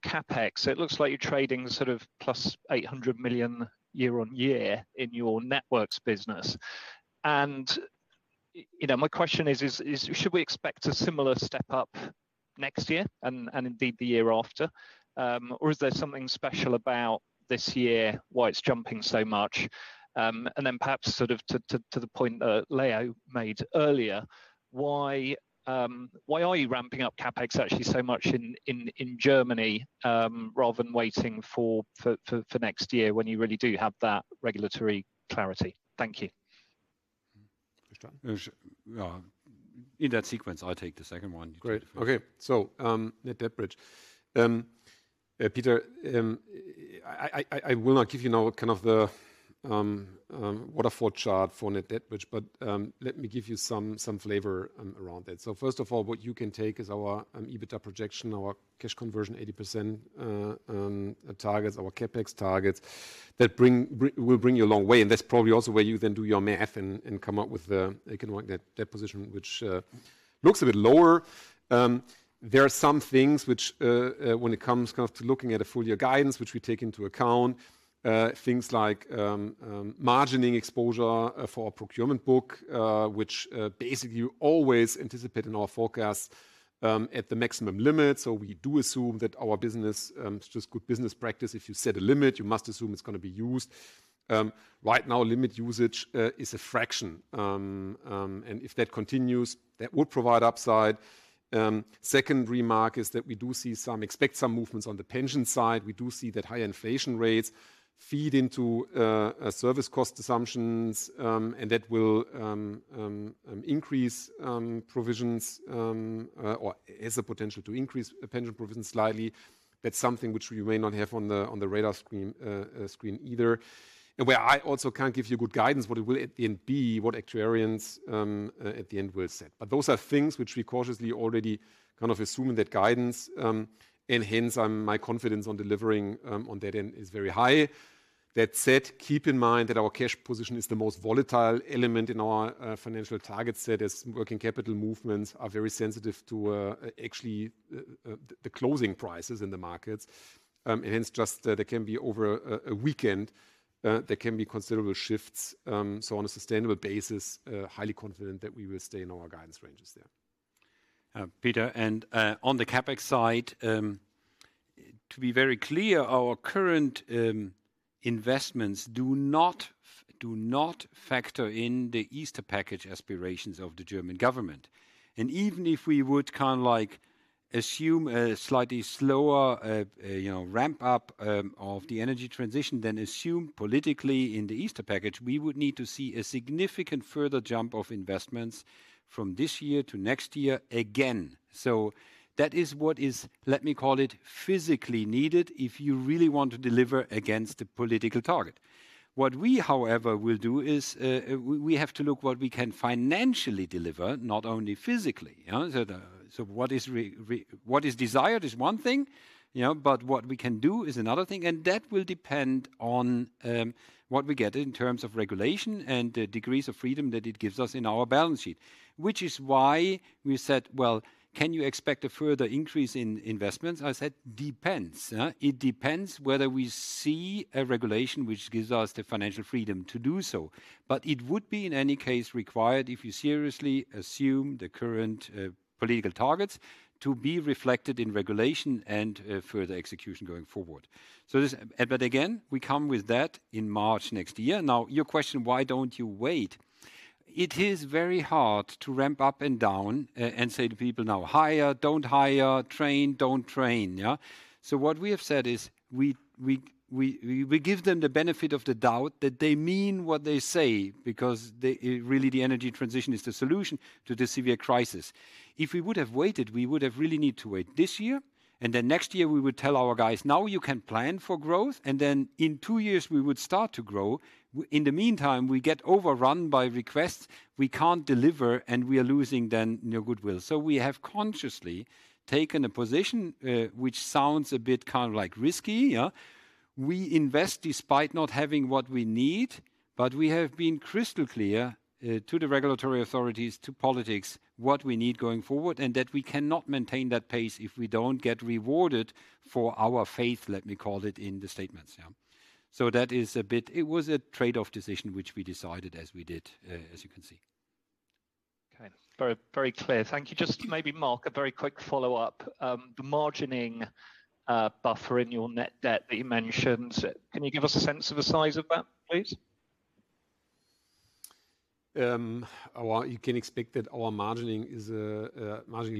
[SPEAKER 7] CapEx, it looks like you're trading sort of +800 million year-over-year in your networks business. You know, my question is, should we expect a similar step up next year and indeed the year after? Or is there something special about this year, why it's jumping so much? Then perhaps sort of to, to, to the point, Leo made earlier, why, why are you ramping up CapEx actually so much in, in, in Germany, rather than waiting for, for, for, for next year, when you really do have that regulatory clarity? Thank you.
[SPEAKER 2] Christian? Yeah. In that sequence, I'll take the second one. Great. Okay. Net debt bridge. Peter, I, I, I, I will not give you now kind of the waterfall chart for net debt, which, but, let me give you some, some flavor around it. First of all, what you can take is our EBITDA projection, our cash conversion 80% targets, our CapEx targets that will bring you a long way. That's probably also where you then do your math and, and come up with the, again, net, net position, which looks a bit lower. There are some things which, when it comes kind of to looking at a full year guidance, which we take into account, things like margining exposure for our procurement book, which basically we always anticipate in our forecast at the maximum limit. We do assume that our business, it's just good business practice. If you set a limit, you must assume it's gonna be used. Right now, limit usage is a fraction. If that continues, that would provide upside. Second remark is that we do expect some movements on the pension side. We do see that high inflation rates feed into a service cost assumptions, and that will increase provisions or has the potential to increase pension provisions slightly. That's something which we may not have on the, on the radar screen, screen either. Where I also can't give you good guidance, what it will at the end be, what actuaries at the end will set. Those are things which we cautiously already kind of assume in that guidance, hence, my confidence on delivering on that end is very high. That said, keep in mind that our cash position is the most volatile element in our financial target set, as working capital movements are very sensitive to actually the closing prices in the markets. Hence, just, there can be over a weekend, there can be considerable shifts. On a sustainable basis, highly confident that we will stay in our guidance ranges there. Peter, and on the CapEx side, to be very clear, our current investments do not do not factor in the Easter Package aspirations of the German government. Even if we would kind of like assume a slightly slower, you know, ramp up of the energy transition than assumed politically in the Easter Package, we would need to see a significant further jump of investments from this year to next year again. That is what is, let me call it, physically needed if you really want to deliver against the political target. What we, however, will do is, we, we have to look what we can financially deliver, not only physically. You know? What is desired is one thing, you know, but what we can do is another thing, and that will depend on what we get in terms of regulation and the degrees of freedom that it gives us in our balance sheet. Which is why we said, "Well, can you expect a further increase in investments?" I said, "Depends," it depends whether we see a regulation which gives us the financial freedom to do so. It would be, in any case, required if you seriously assume the current political targets to be reflected in regulation and further execution going forward. Again, we come with that in March next year. Your question, why don't you wait? It is very hard to ramp up and down and say to people, "Now hire, don't hire. Train, don't train," yeah? What we have said is, we give them the benefit of the doubt that they mean what they say, because they really, the energy transition is the solution to the severe crisis. If we would have waited, we would have really need to wait this year, and then next year we would tell our guys, "Now you can plan for growth," and then in two years we would start to grow. In the meantime, we get overrun by requests we can't deliver, and we are losing then your goodwill. We have consciously taken a position which sounds a bit kind of like risky, yeah? We invest despite not having what we need, but we have been crystal clear to the regulatory authorities, to politics, what we need going forward, and that we cannot maintain that pace if we don't get rewarded for our faith, let me call it, in the statements. Yeah. It was a trade-off decision, which we decided as we did, as you can see.
[SPEAKER 7] Okay. Very, very clear. Thank you. Just maybe, Marc, a very quick follow-up. The margining buffer in your net debt that you mentioned, can you give us a sense of the size of that, please?
[SPEAKER 3] You can expect that our margining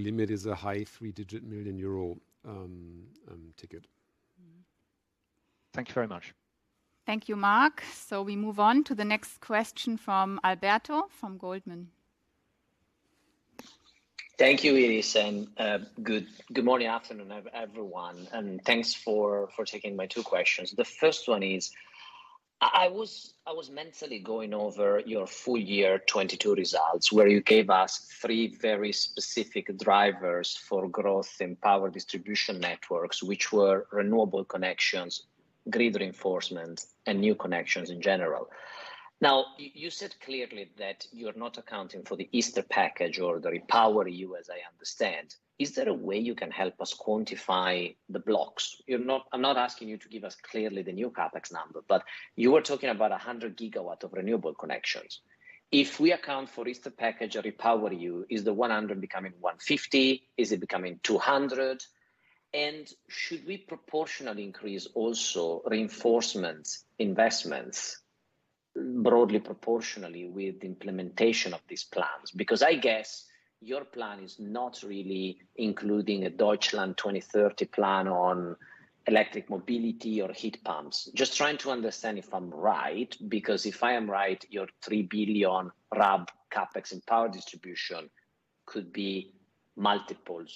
[SPEAKER 3] limit is a high three-digit million euro ticket.
[SPEAKER 7] Thank you very much.
[SPEAKER 1] Thank you, Marc. We move on to the next question from Alberto, from Goldman.
[SPEAKER 8] Thank you, Iris, and good, good morning, afternoon, everyone, and thanks for, for taking my two questions. The first one is, I, I was, I was mentally going over your full year 2022 results, where you gave us three very specific drivers for growth in power distribution networks, which were renewable connections, grid reinforcement, and new connections in general. Now, you said clearly that you're not accounting for the Easter Package or the Repower EU, as I understand. Is there a way you can help us quantify the blocks? I'm not asking you to give us clearly the new CapEx number, but you were talking about 100 gigawatt of renewable connections. If we account for Easter Package or Repower EU, is the 100 becoming 150? Is it becoming 200? Should we proportionally increase also reinforcement investments broadly proportionally with the implementation of these plans? Because I guess your plan is not really including a Deutschland 2030 plan on electric mobility or heat pumps. Just trying to understand if I'm right, because if I am right, your 3 billion RAB CapEx in power distribution-... could be multiples.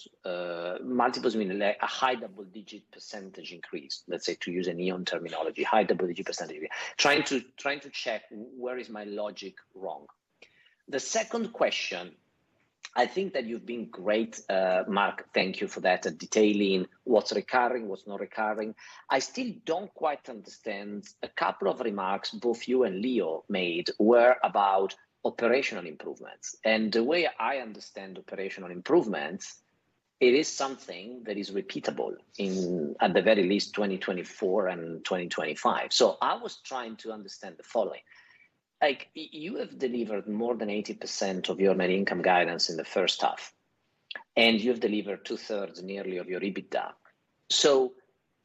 [SPEAKER 8] Multiples mean like a high double-digit % increase, let's say, to use an E.ON terminology, high double-digit %. Trying to, trying to check where is my logic wrong? The second question, I think that you've been great, Marc, thank you for that, at detailing what's recurring, what's not recurring. I still don't quite understand a couple of remarks both you and Leo made were about operational improvements. The way I understand operational improvements, it is something that is repeatable in, at the very least, 2024 and 2025. I was trying to understand the following: like, you have delivered more than 80% of your net income guidance in the first half, and you've delivered 2/3 nearly of your EBITDA.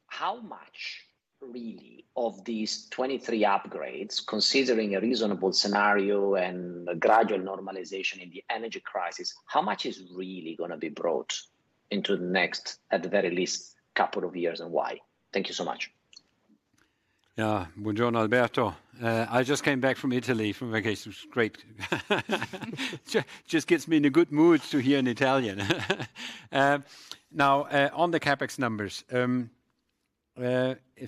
[SPEAKER 8] How much, really, of these 2023 upgrades, considering a reasonable scenario and a gradual normalization in the energy crisis, how much is really gonna be brought into the next, at the very least, couple of years, and why? Thank you so much.
[SPEAKER 2] Yeah. Buongiorno, Alberto. I just came back from Italy, from vacation. It was great. Just gets me in a good mood to hear an Italian. Now, on the CapEx numbers,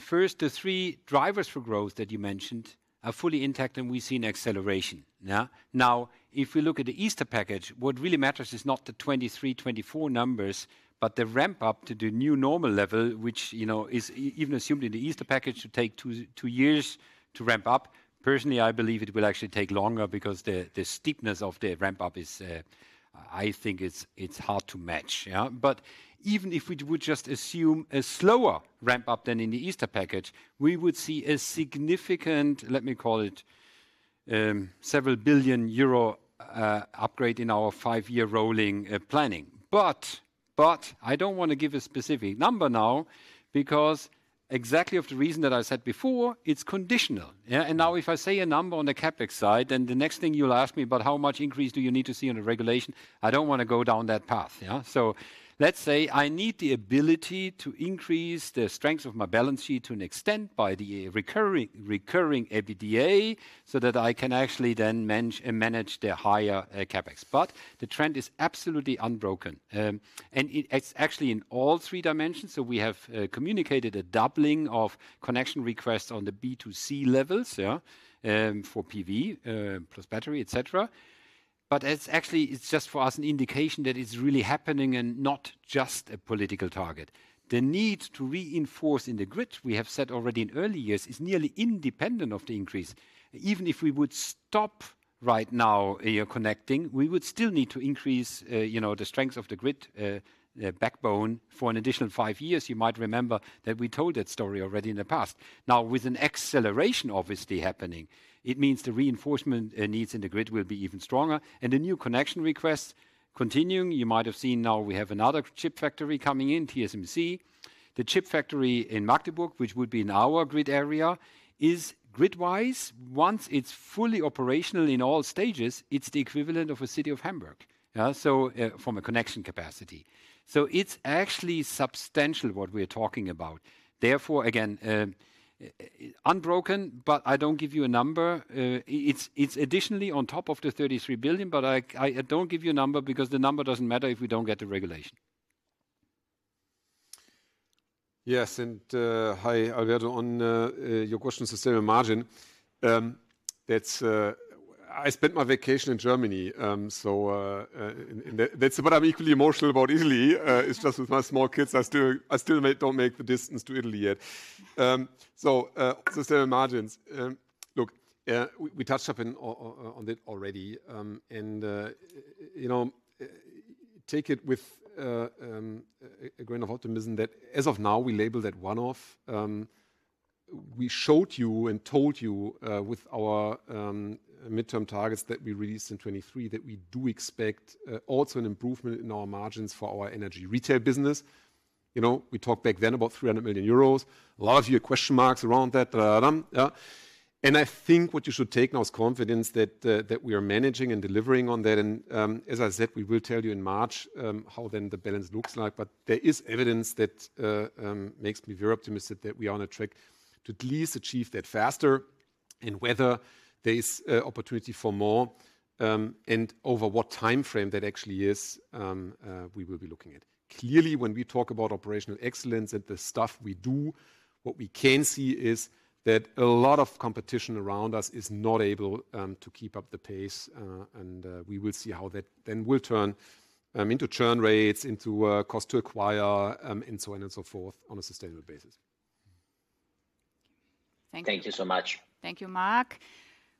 [SPEAKER 2] first, the three drivers for growth that you mentioned are fully intact, and we see an acceleration, yeah? Now, if we look at the Easter Package, what really matters is not the 2023, 2024 numbers, but the ramp-up to the new normal level, which, you know, is even assumed in the Easter Package to take two years to ramp up. Personally, I believe it will actually take longer because the, the steepness of the ramp-up is, I think it's, it's hard to match, yeah? Even if we would just assume a slower ramp-up than in the Easter Package, we would see a significant, let me call it, several billion euro upgrade in our five-year rolling planning. I don't want to give a specific number now because exactly of the reason that I said before, it's conditional. Now, if I say a number on the CapEx side, then the next thing you'll ask me about how much increase do you need to see on the regulation? I don't wanna go down that path, yeah? Let's say I need the ability to increase the strength of my balance sheet to an extent by the recurring, recurring EBITDA, so that I can actually then manage the higher CapEx. The trend is absolutely unbroken. And it's actually in all three dimensions. We have communicated a doubling of connection requests on the B2C levels, yeah, for PV plus battery, et cetera. It's actually, it's just for us, an indication that it's really happening and not just a political target. The need to reinforce in the grid, we have said already in early years, is nearly independent of the increase. Even if we would stop right now, connecting, we would still need to increase, you know, the strength of the grid backbone for an additional five years. You might remember that we told that story already in the past. Now, with an acceleration obviously happening, it means the reinforcement needs in the grid will be even stronger, and the new connection requests continuing. You might have seen now we have another chip factory coming in, TSMC. The chip factory in Magdeburg, which would be in our grid area, is gridwise, once it's fully operational in all stages, it's the equivalent of a city of Hamburg. Yeah, so, from a connection capacity. It's actually substantial, what we're talking about. Therefore, again, unbroken, but I don't give you a number. It's additionally on top of the 33 billion, but I don't give you a number because the number doesn't matter if we don't get the regulation.
[SPEAKER 3] Yes, hi, Alberto. On your question on sustainable margin, that's. I spent my vacation in Germany, so, but I'm equally emotional about Italy, it's just with my small kids, I still don't make the distance to Italy yet. Sustainable margins, look, we touched upon on it already, you know, take it with a grain of optimism that as of now, we label that one-off. We showed you and told you with our midterm targets that we released in 2023, that we do expect also an improvement in our margins for our energy retail business. You know, we talked back then about 300 million euros. A lot of you had question Marcs around that. I think what you should take now is confidence that we are managing and delivering on that, and as I said, we will tell you in March, how then the balance looks like. There is evidence that makes me very optimistic that we are on a track to at least achieve that faster, and whether there is opportunity for more, and over what time frame that actually is, we will be looking at. Clearly, when we talk about operational excellence and the stuff we do, what we can see is that a lot of competition around us is not able to keep up the pace, and we will see how that then will turn into churn rates, into cost to acquire, and so on and so forth on a sustainable basis.
[SPEAKER 8] Thank you so much.
[SPEAKER 1] Thank you, Marc.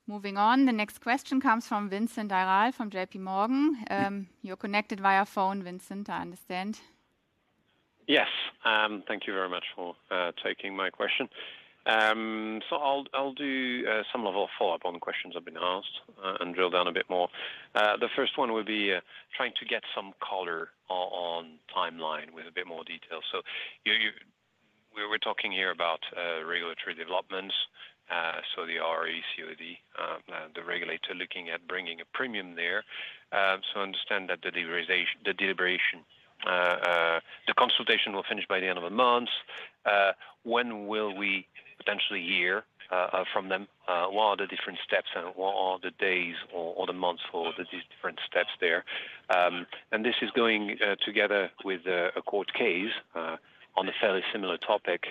[SPEAKER 1] Moving on, the next question comes from Vincent Ayral from JPMorgan. You're connected via phone, Vincent, I understand.
[SPEAKER 9] Yes, thank you very much for taking my question. I'll, I'll do some level follow-up on the questions I've been asked and drill down a bit more. The first one would be trying to get some color on timeline with a bit more detail. We were talking here about regulatory developments, so the RECOD, the regulator looking at bringing a premium there. I understand that the deliberation consultation will finish by the end of the month. When will we potentially hear from them? What are the different steps and what are the days or the months for these different steps there? This is going together with a court case on a fairly similar topic.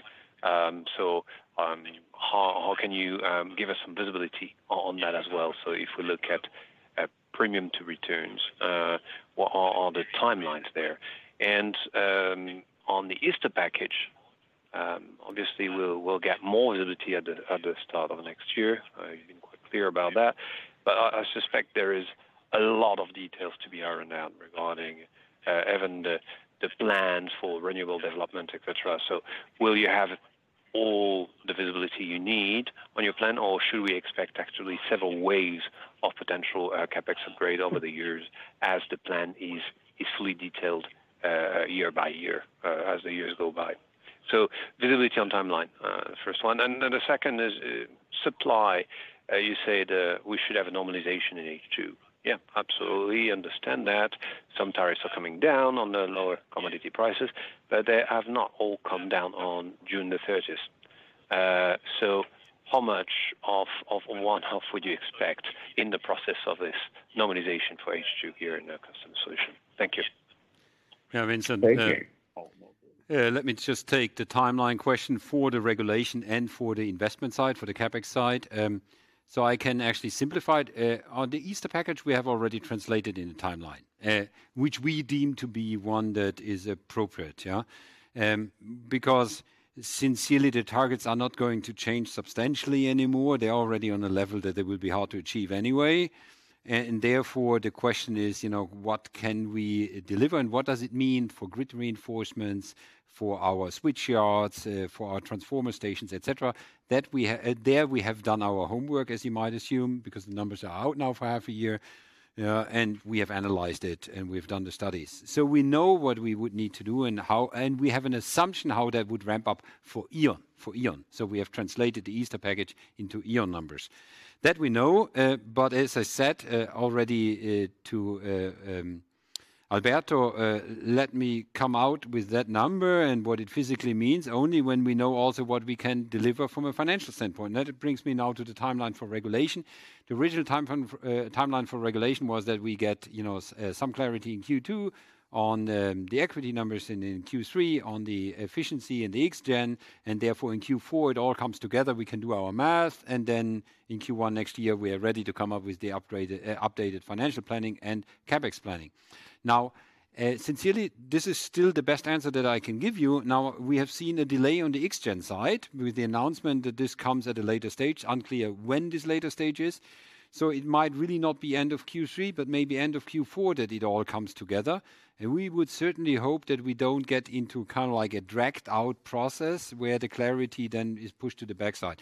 [SPEAKER 9] How can you give us some visibility on that as well? If we look at premium to returns, what are the timelines there? On the Easter Package, obviously, we'll get more visibility at the start of next year. You've been quite clear about that. I suspect there is a lot of details to be ironed out regarding even the plans for renewable development, et cetera. Will you have all the visibility you need on your plan, or should we expect actually several waves of potential CapEx upgrade over the years as the plan is easily detailed year by year as the years go by? Visibility on timeline, first one, and then the second is supply. You said, we should have a normalization in H2. Yeah, absolutely understand that. Some tariffs are coming down on the lower commodity prices, but they have not all come down on June 30th. So how much of one half would you expect in the process of this normalization for H2 here in our Customer Solutions? Thank you.
[SPEAKER 2] Yeah, Vincent-
[SPEAKER 9] Thank you.
[SPEAKER 2] Let me just take the timeline question for the regulation and for the investment side, for the CapEx side. I can actually simplify it. On the Easter Package, we have already translated in a timeline, which we deem to be one that is appropriate, yeah? Because sincerely, the targets are not going to change substantially anymore. They're already on a level that they will be hard to achieve anyway. Therefore, the question is, you know, what can we deliver, and what does it mean for grid reinforcements, for our switch yards, for our transformer stations, et cetera? There we have done our homework, as you might assume, because the numbers are out now for half a year, and we have analyzed it, and we've done the studies. We know what we would need to do and we have an assumption how that would ramp up for E.ON, for E.ON. We have translated the Easter Package into E.ON numbers. That we know, but as I said already to Alberto, let me come out with that number and what it physically means only when we know also what we can deliver from a financial standpoint. That brings me now to the timeline for regulation. The original time frame, timeline for regulation was that we get, you know, some clarity in Q2 on the equity numbers and in Q3 on the efficiency and the Xgen, and therefore, in Q4, it all comes together. We can do our math. In Q1 next year, we are ready to come up with the upgraded, updated financial planning and CapEx planning. Sincerely, this is still the best answer that I can give you. We have seen a delay on the Xgen side with the announcement that this comes at a later stage, unclear when this later stage is. It might really not be end of Q3, but maybe end of Q4, that it all comes together. We would certainly hope that we don't get into kind of like a dragged-out process, where the clarity then is pushed to the backside.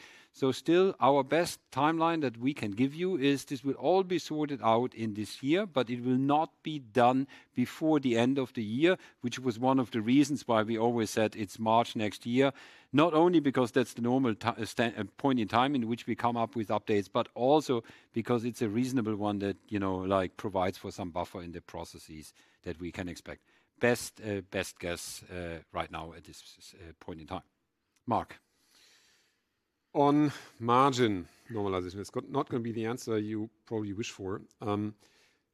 [SPEAKER 2] Still, our best timeline that we can give you is this will all be sorted out in this year, but it will not be done before the end of the year, which was one of the reasons why we always said it's March next year. Not only because that's the normal point in time in which we come up with updates, but also because it's a reasonable one that, you know, like provides for some buffer in the processes that we can expect. Best guess right now at this point in time. Marc?
[SPEAKER 3] On margin normalization, it's not gonna be the answer you probably wish for.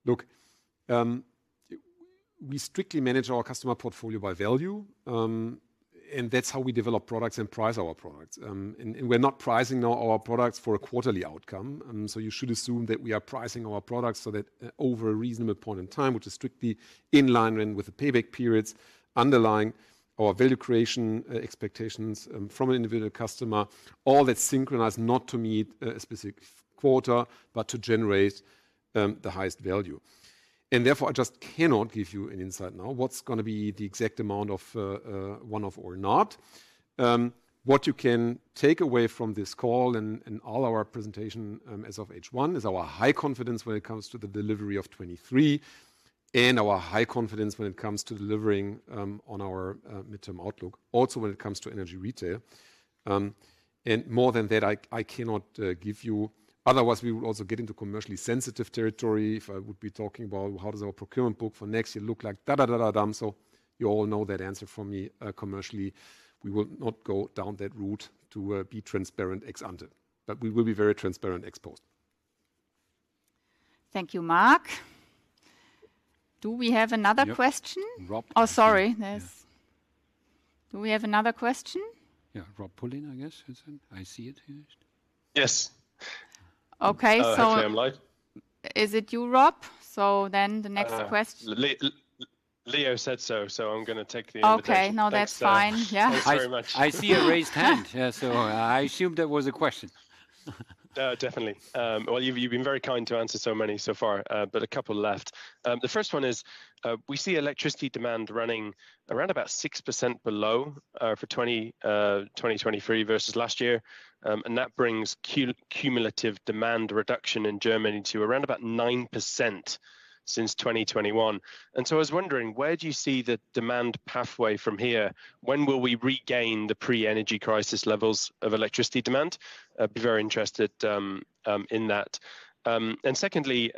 [SPEAKER 3] Look, we strictly manage our customer portfolio by value, and that's how we develop products and price our products. We're not pricing now our products for a quarterly outcome, and so you should assume that we are pricing our products so that over a reasonable point in time, which is strictly in line with the payback periods, underlying our value creation expectations from an individual customer, all that's synchronized not to meet a specific quarter, but to generate the highest value. Therefore, I just cannot give you an insight now, what's gonna be the exact amount of one-off or not. What you can take away from this call and, and all our presentation, as of H1, is our high confidence when it comes to the delivery of 2023 and our high confidence when it comes to delivering on our midterm outlook. Also, when it comes to energy retail. More than that, I, I cannot give you... Otherwise, we will also get into commercially sensitive territory if I would be talking about how does our procurement book for next year look like? You all know that answer from me. Commercially, we will not go down that route to be transparent ex ante, but we will be very transparent ex post.
[SPEAKER 1] Thank you, Marc. Do we have another question?
[SPEAKER 2] Yeah. Rob-
[SPEAKER 9] Oh, sorry. Yes. Do we have another question?
[SPEAKER 2] Yeah. Rob Pulleyn, I guess. Is it? I see it here.
[SPEAKER 10] Yes.
[SPEAKER 9] Okay.
[SPEAKER 10] actually, I'm live?
[SPEAKER 9] Is it you, Rob? Then the next question-
[SPEAKER 10] Leo said so, so I'm gonna take the invitation.
[SPEAKER 9] Okay, no, that's fine. Yeah.
[SPEAKER 10] Thanks very much.
[SPEAKER 3] I see a raised hand. Yeah, I assumed that was a question.
[SPEAKER 10] Definitely. Well, you've, you've been very kind to answer so many so far, but a couple left. The first one is, we see electricity demand running around about 6% below, for 2023 versus last year, and that brings cumulative demand reduction in Germany to around about 9% since 2021. So I was wondering, where do you see the demand pathway from here? When will we regain the pre-energy crisis levels of electricity demand? I'd be very interested in that.
[SPEAKER 3] Secondly,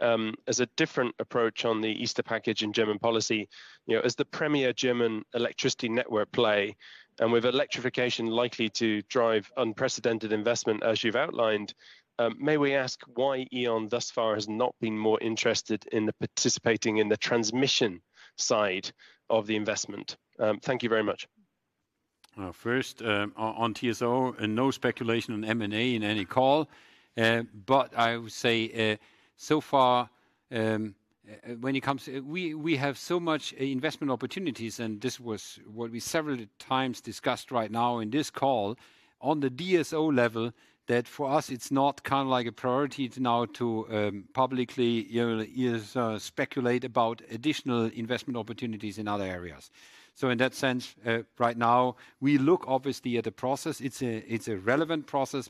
[SPEAKER 3] as a different approach on the German Easter Package and German policy, you know, as the premier German electricity network play, and with electrification likely to drive unprecedented investment, as you've outlined, may we ask why E.ON thus far has not been more interested in the participating in the transmission side of the investment? Thank you very much. First, on TSO and no speculation on M&A in any call. I would say, so far, when it comes to, we have so much investment opportunities, and this was what we several times discussed right now in this call on the DSO level, that for us, it's not kind of like a priority now to publicly, you know, speculate about additional investment opportunities in other areas. In that sense, right now, we look obviously at the process. It's a, it's a relevant process,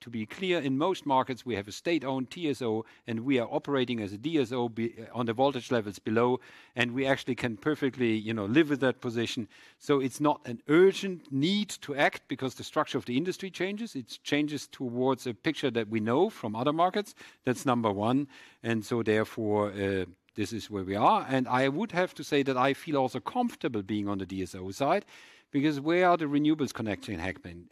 [SPEAKER 3] to be clear, in most markets, we have a state-owned TSO, and we are operating as a DSO on the voltage levels below, and we actually can perfectly, you know, live with that position. It's not an urgent need to act because the structure of the industry changes. It changes towards a picture that we know from other markets. That's number one. Therefore, this is where we are. I would have to say that I feel also comfortable being on the DSO side, because where are the renewables connecting happening?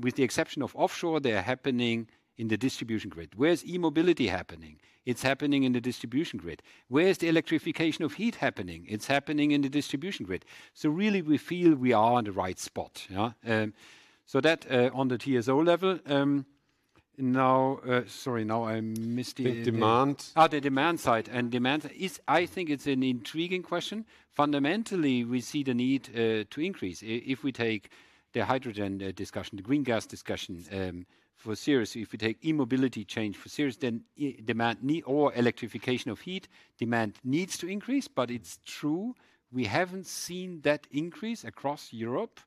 [SPEAKER 3] With the exception of offshore, they are happening in the distribution grid. Where's e-mobility happening? It's happening in the distribution grid. Where's the electrification of heat happening? It's happening in the distribution grid. Really, we feel we are on the right spot, yeah? That on the TSO level.
[SPEAKER 10] The demand.
[SPEAKER 3] Ah, the demand side. Demand is I think it's an intriguing question. Fundamentally, we see the need to increase. If we take the hydrogen discussion, the green gas discussions for serious, if we take e-mobility change for serious, then demand or electrification of heat, demand needs to increase. It's true, we haven't seen that increase across Europe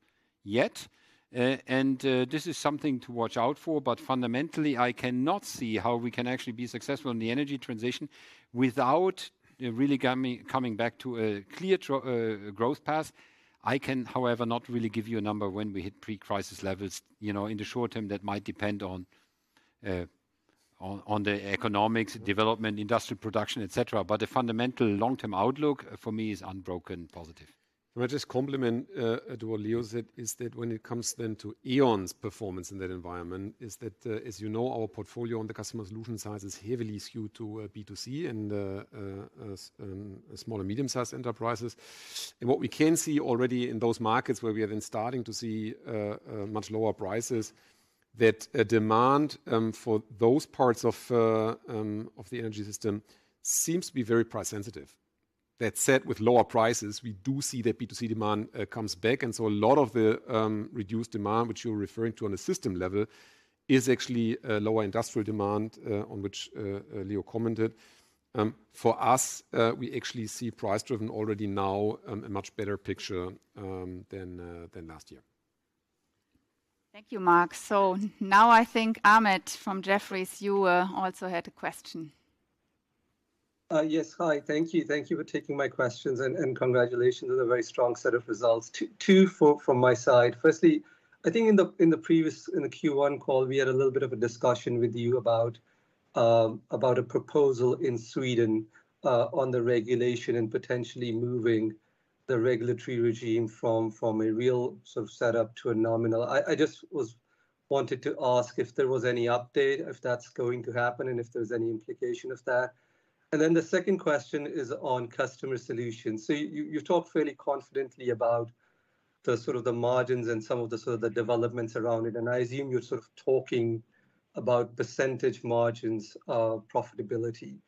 [SPEAKER 3] yet. This is something to watch out for, but fundamentally, I cannot see how we can actually be successful in the energy transition without really coming, coming back to a clear growth path. I can, however, not really give you a number when we hit pre-crisis levels. You know, in the short term, that might depend on on the economics, development, industrial production, et cetera. The fundamental long-term outlook for me is unbroken positive. Let me just complement to what Leo said, is that when it comes then to E.ON's performance in that environment, is that as you know, our portfolio on the customer solution side is heavily skewed to B2C and small and medium-sized enterprises. What we can see already in those markets where we are then starting to see much lower prices, that a demand for those parts of the energy system seems to be very price sensitive. That said, with lower prices, we do see that B2C demand comes back, and so a lot of the reduced demand, which you're referring to on a system level, is actually a lower industrial demand on which Leo commented. For us, we actually see price-driven already now, a much better picture than than last year.
[SPEAKER 1] Thank you, Marc. Now I think Ahmed from Jefferies, you also had a question.
[SPEAKER 11] Yes. Hi. Thank you. Thank you for taking my questions, and congratulations on a very strong set of results. Two from my side. Firstly, I think in the, in the previous, in the Q1 call, we had a little bit of a discussion with you about a proposal in Sweden on the regulation and potentially moving the regulatory regime from a real sort of setup to a nominal. I just wanted to ask if there was any update, if that's going to happen, and if there's any implication of that. Then the 2nd question is on Customer Solutions. You, you talked fairly confidently about the sort of the margins and some of the sort of the developments around it, and I assume you're sort of talking about % margins of profitability.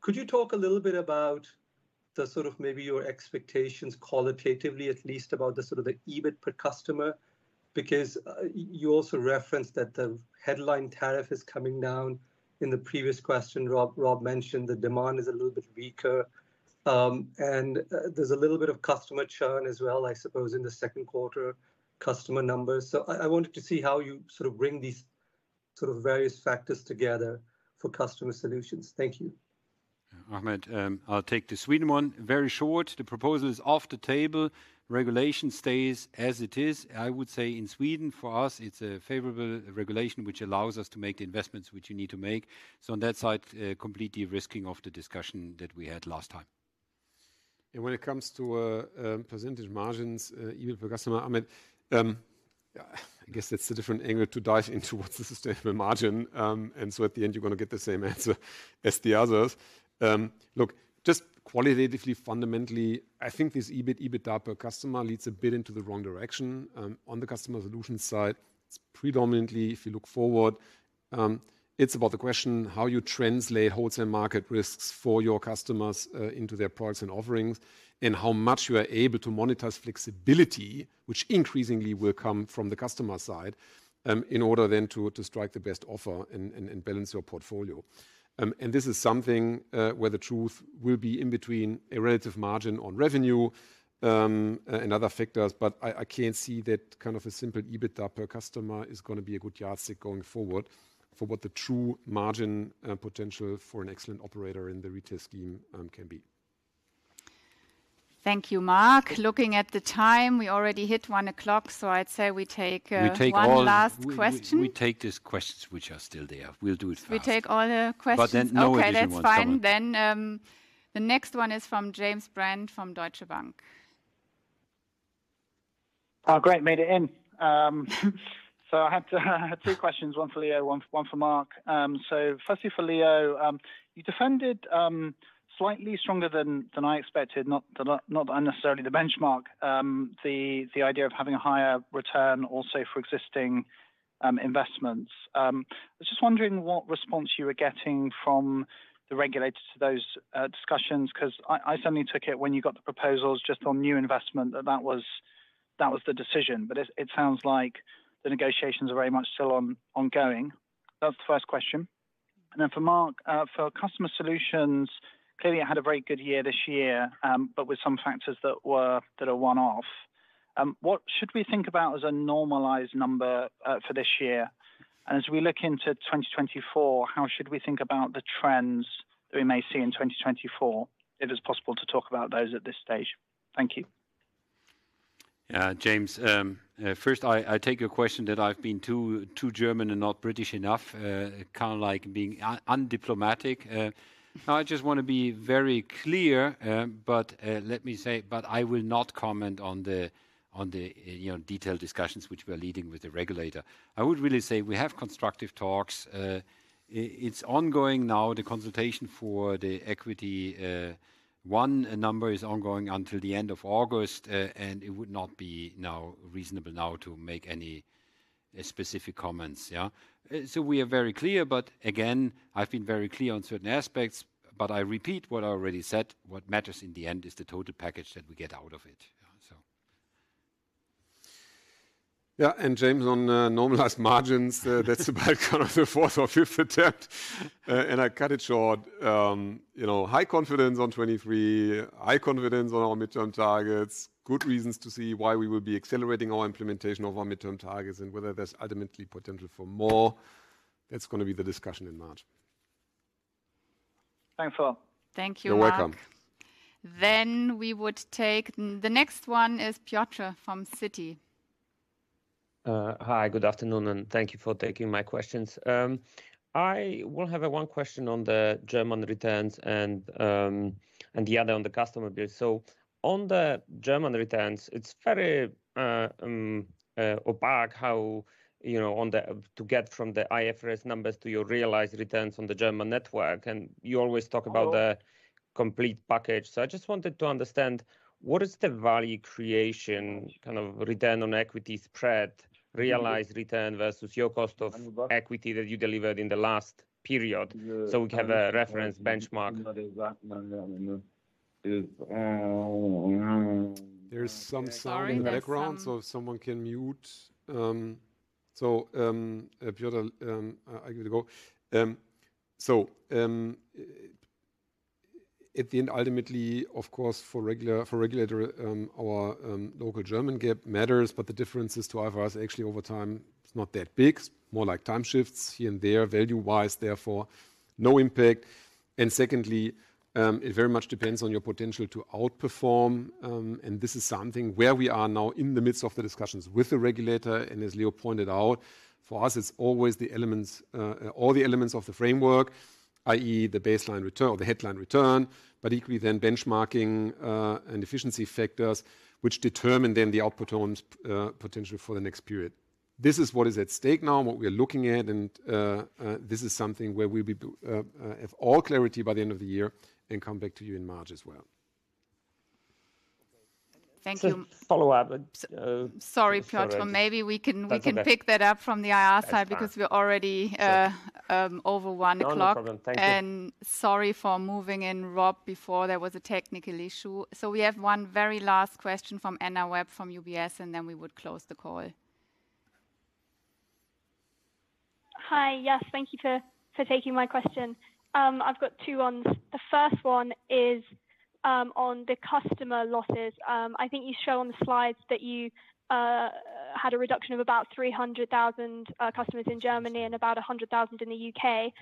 [SPEAKER 11] Could you talk a little bit about the sort of maybe your expectations, qualitatively, at least about the sort of the EBIT per customer? Because you also referenced that the headline tariff is coming down. In the previous question, Rob, Rob mentioned the demand is a little bit weaker. There's a little bit of customer churn as well, I suppose, in the second quarter, customer numbers. I, I wanted to see how you sort of bring these sort of various factors together for Customer Solutions. Thank you.
[SPEAKER 3] Ahmed, I'll take the Sweden one. Very short, the proposal is off the table. Regulation stays as it is. I would say in Sweden, for us, it's a favorable regulation, which allows us to make the investments which you need to make. On that side, completely risking of the discussion that we had last time. When it comes to percentage margins, even for customer, Ahmed, yeah, I guess that's a different angle to dive into what's the sustainable margin. At the end, you're going to get the same answer as the others. Look, just qualitatively, fundamentally, I think this EBIT, EBITDA per customer leads a bit into the wrong direction. On the Customer Solutions side, it's predominantly, if you look forward, it's about the question, how you translate wholesale Marcet risks for your customers into their products and offerings, and how much you are able to monetize flexibility, which increasingly will come from the customer side, in order then to strike the best offer and balance your portfolio. This is something, where the truth will be in between a relative margin on revenue, and other factors, but I, I can't see that kind of a simple EBITDA per customer is going to be a good yardstick going forward for what the true margin, potential for an excellent operator in the retail scheme, can be.
[SPEAKER 1] Thank you, Marc. Looking at the time, we already hit 1:00 P.M., I'd say we take one last question.
[SPEAKER 2] We take these questions which are still there. We'll do it fast.
[SPEAKER 1] We take all the questions?
[SPEAKER 11] No additional ones coming.
[SPEAKER 1] Okay, that's fine then. The next one is from James Brand, from Deutsche Bank.
[SPEAKER 12] Oh, great, made it in. I have to I have two questions: one for Leo, one, one for Marc. Firstly, for Leo, you defended, slightly stronger than, than I expected, not the not, not unnecessarily the benchMarc, the, the idea of having a higher return also for existing, investments. I was just wondering what response you were getting from the regulators to those, discussions, 'cause I, I certainly took it when you got the proposals just on new investment, that was, that was the decision. It, it sounds like the negotiations are very much still ongoing. That's the first question. Then for Marc, for Customer Solutions, clearly, it had a very good year this year, but with some factors that are one-off. What should we think about as a normalized number, for this year? As we look into 2024, how should we think about the trends that we may see in 2024, if it's possible to talk about those at this stage? Thank you.
[SPEAKER 3] James, first, I, I take your question that I've been too, too German and not British enough, kind of like being undiplomatic. I just want to be very clear, let me say, I will not comment on the, on the, you know, detailed discussions which we are leading with the regulator. I would really say we have constructive talks. It's ongoing now, the consultation for the equity, one number is ongoing until the end of August. It would not be now reasonable now to make any specific comments. Yeah. We are very clear, but again, I've been very clear on certain aspects, but I repeat what I already said. What matters in the end is the total package that we get out of it. Yeah, James, on normalized margins, that's about kind of the fourth or fifth attempt, and I cut it short. You know, high confidence on 2023, high confidence on our midterm targets. Good reasons to see why we will be accelerating our implementation of our midterm targets and whether there's ultimately potential for more. That's gonna be the discussion in March.
[SPEAKER 12] Thanks, all.
[SPEAKER 1] Thank you, Marc.
[SPEAKER 12] You're welcome.
[SPEAKER 1] The next one is Piotr from Citi.
[SPEAKER 13] Hi, good afternoon, and thank you for taking my questions. I will have a one question on the German returns and the other on the customer bill. On the German returns, it's very opaque, how, you know, to get from the IFRS numbers to your realized returns on the German network, and you always talk.
[SPEAKER 2] Hello?
[SPEAKER 13] about the complete package. I just wanted to understand, what is the value creation, kind of, return on equity spread, realized return versus your cost of equity that you delivered in the last period, so we can have a reference benchMarc?
[SPEAKER 3] There's some sound in the background.
[SPEAKER 1] Sorry, there's.
[SPEAKER 3] If someone can mute. Piotr, give it a go. At the end, ultimately, of course, for regulator, our local German GAAP matters, but the difference is to IFRS, actually, over time, it's not that big. More like time shifts here and there, value-wise, therefore, no impact. Secondly, it very much depends on your potential to outperform, and this is something where we are now in the midst of the discussions with the regulator. As Leo pointed out, for us, it's always the elements, all the elements of the framework, i.e., the baseline return or the headline return, but equally, then benchmarking and efficiency factors, which determine then the output owns potential for the next period. This is what is at stake now, and what we are looking at, and this is something where we'll be have all clarity by the end of the year and come back to you in March as well.
[SPEAKER 1] Thank you.
[SPEAKER 13] Just a follow-up.
[SPEAKER 1] Sorry, Piotr.
[SPEAKER 13] That's okay.
[SPEAKER 1] Maybe we can, we can pick that up from the IR side.
[SPEAKER 13] That's fine.
[SPEAKER 1] ...because we're already over 1:00.
[SPEAKER 13] No, no problem. Thank you.
[SPEAKER 1] Sorry for moving in, Rob, before there was a technical issue. We have one very last question from Anna Webb, from UBS, and then we would close the call.
[SPEAKER 14] Hi, yes. Thank you for, for taking my question. I've got two ones. The first one is on the customer losses. I think you show on the slides that you had a reduction of about 300,000 customers in Germany and about 100,000 in the U.K.,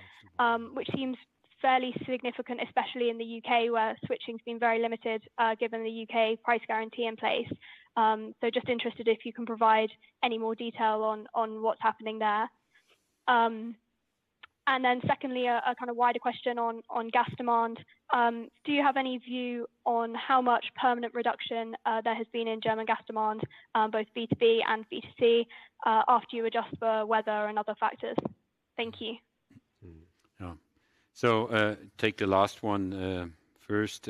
[SPEAKER 14] which seems fairly significant, especially in the U.K., where switching's been very limited, given the U.K. price guarantee in place. Just interested if you can provide any more detail on, on what's happening there. Then secondly, a, a kind of wider question on, on gas demand. Do you have any view on how much permanent reduction there has been in German gas demand, both B2B and B2C, after you adjust for weather and other factors? Thank you.
[SPEAKER 3] Take the last 1 first.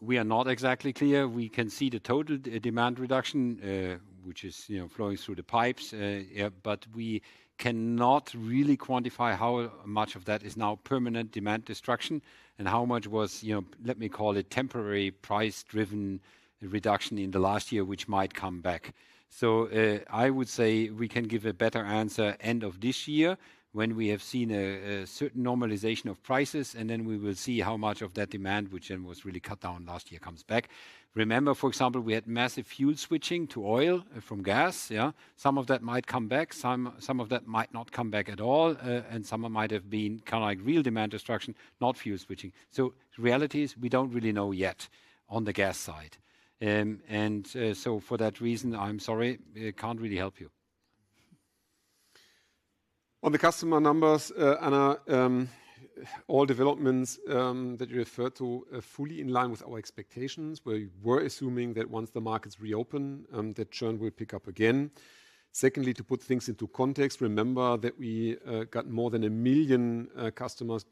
[SPEAKER 3] We are not exactly clear. We can see the total demand reduction, which is, you know, flowing through the pipes. We cannot really quantify how much of that is now permanent demand destruction and how much was, you know, let me call it, temporary price-driven reduction in the last year, which might come back. I would say we can give a better answer end of this year, when we have seen a certain normalization of prices, and then we will see how much of that demand, which then was really cut down last year, comes back. Remember, for example, we had massive fuel switching to oil from gas, yeah? Some of that might come back, some, some of that might not come back at all, and some of it might have been kind of like real demand destruction, not fuel switching. The reality is, we don't really know yet on the gas side. For that reason, I'm sorry, I can't really help you. On the customer numbers, Anna, all developments that you referred to are fully in line with our expectations, where we were assuming that once the markets reopen, the churn will pick up again. Secondly, to put things into context, remember that we got more than one million customers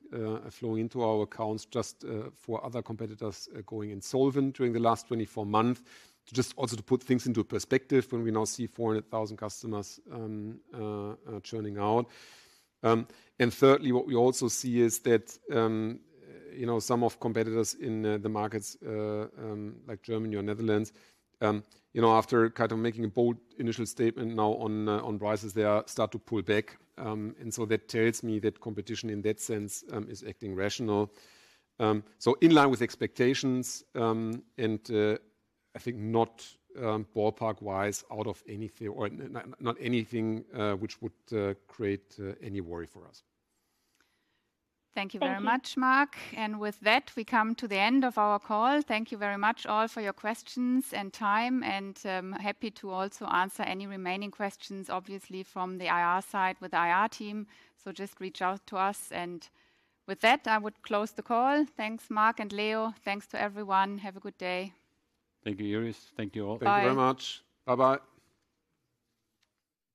[SPEAKER 3] flowing into our accounts just for other competitors going insolvent during the last 24 months. To just also to put things into perspective, when we now see 400,000 customers churning out. Thirdly, what we also see is that, you know, some of competitors in the markets like Germany or Netherlands, you know, after kind of making a bold initial statement now on prices, they are start to pull back. That tells me that competition in that sense, is acting rational. In line with expectations, and I think not ballpark-wise, out of anything or not anything which would create any worry for us.
[SPEAKER 1] Thank you very much, Marc.
[SPEAKER 14] Thank you.
[SPEAKER 1] With that, we come to the end of our call. Thank you very much all for your questions and time, and happy to also answer any remaining questions, obviously, from the IR side with the IR team. Just reach out to us, with that, I would close the call. Thanks, Marc and Leo. Thanks to everyone. Have a good day.
[SPEAKER 3] Thank you, Iris. Thank you, all.
[SPEAKER 1] Bye.
[SPEAKER 2] Thank you very much. Bye-bye.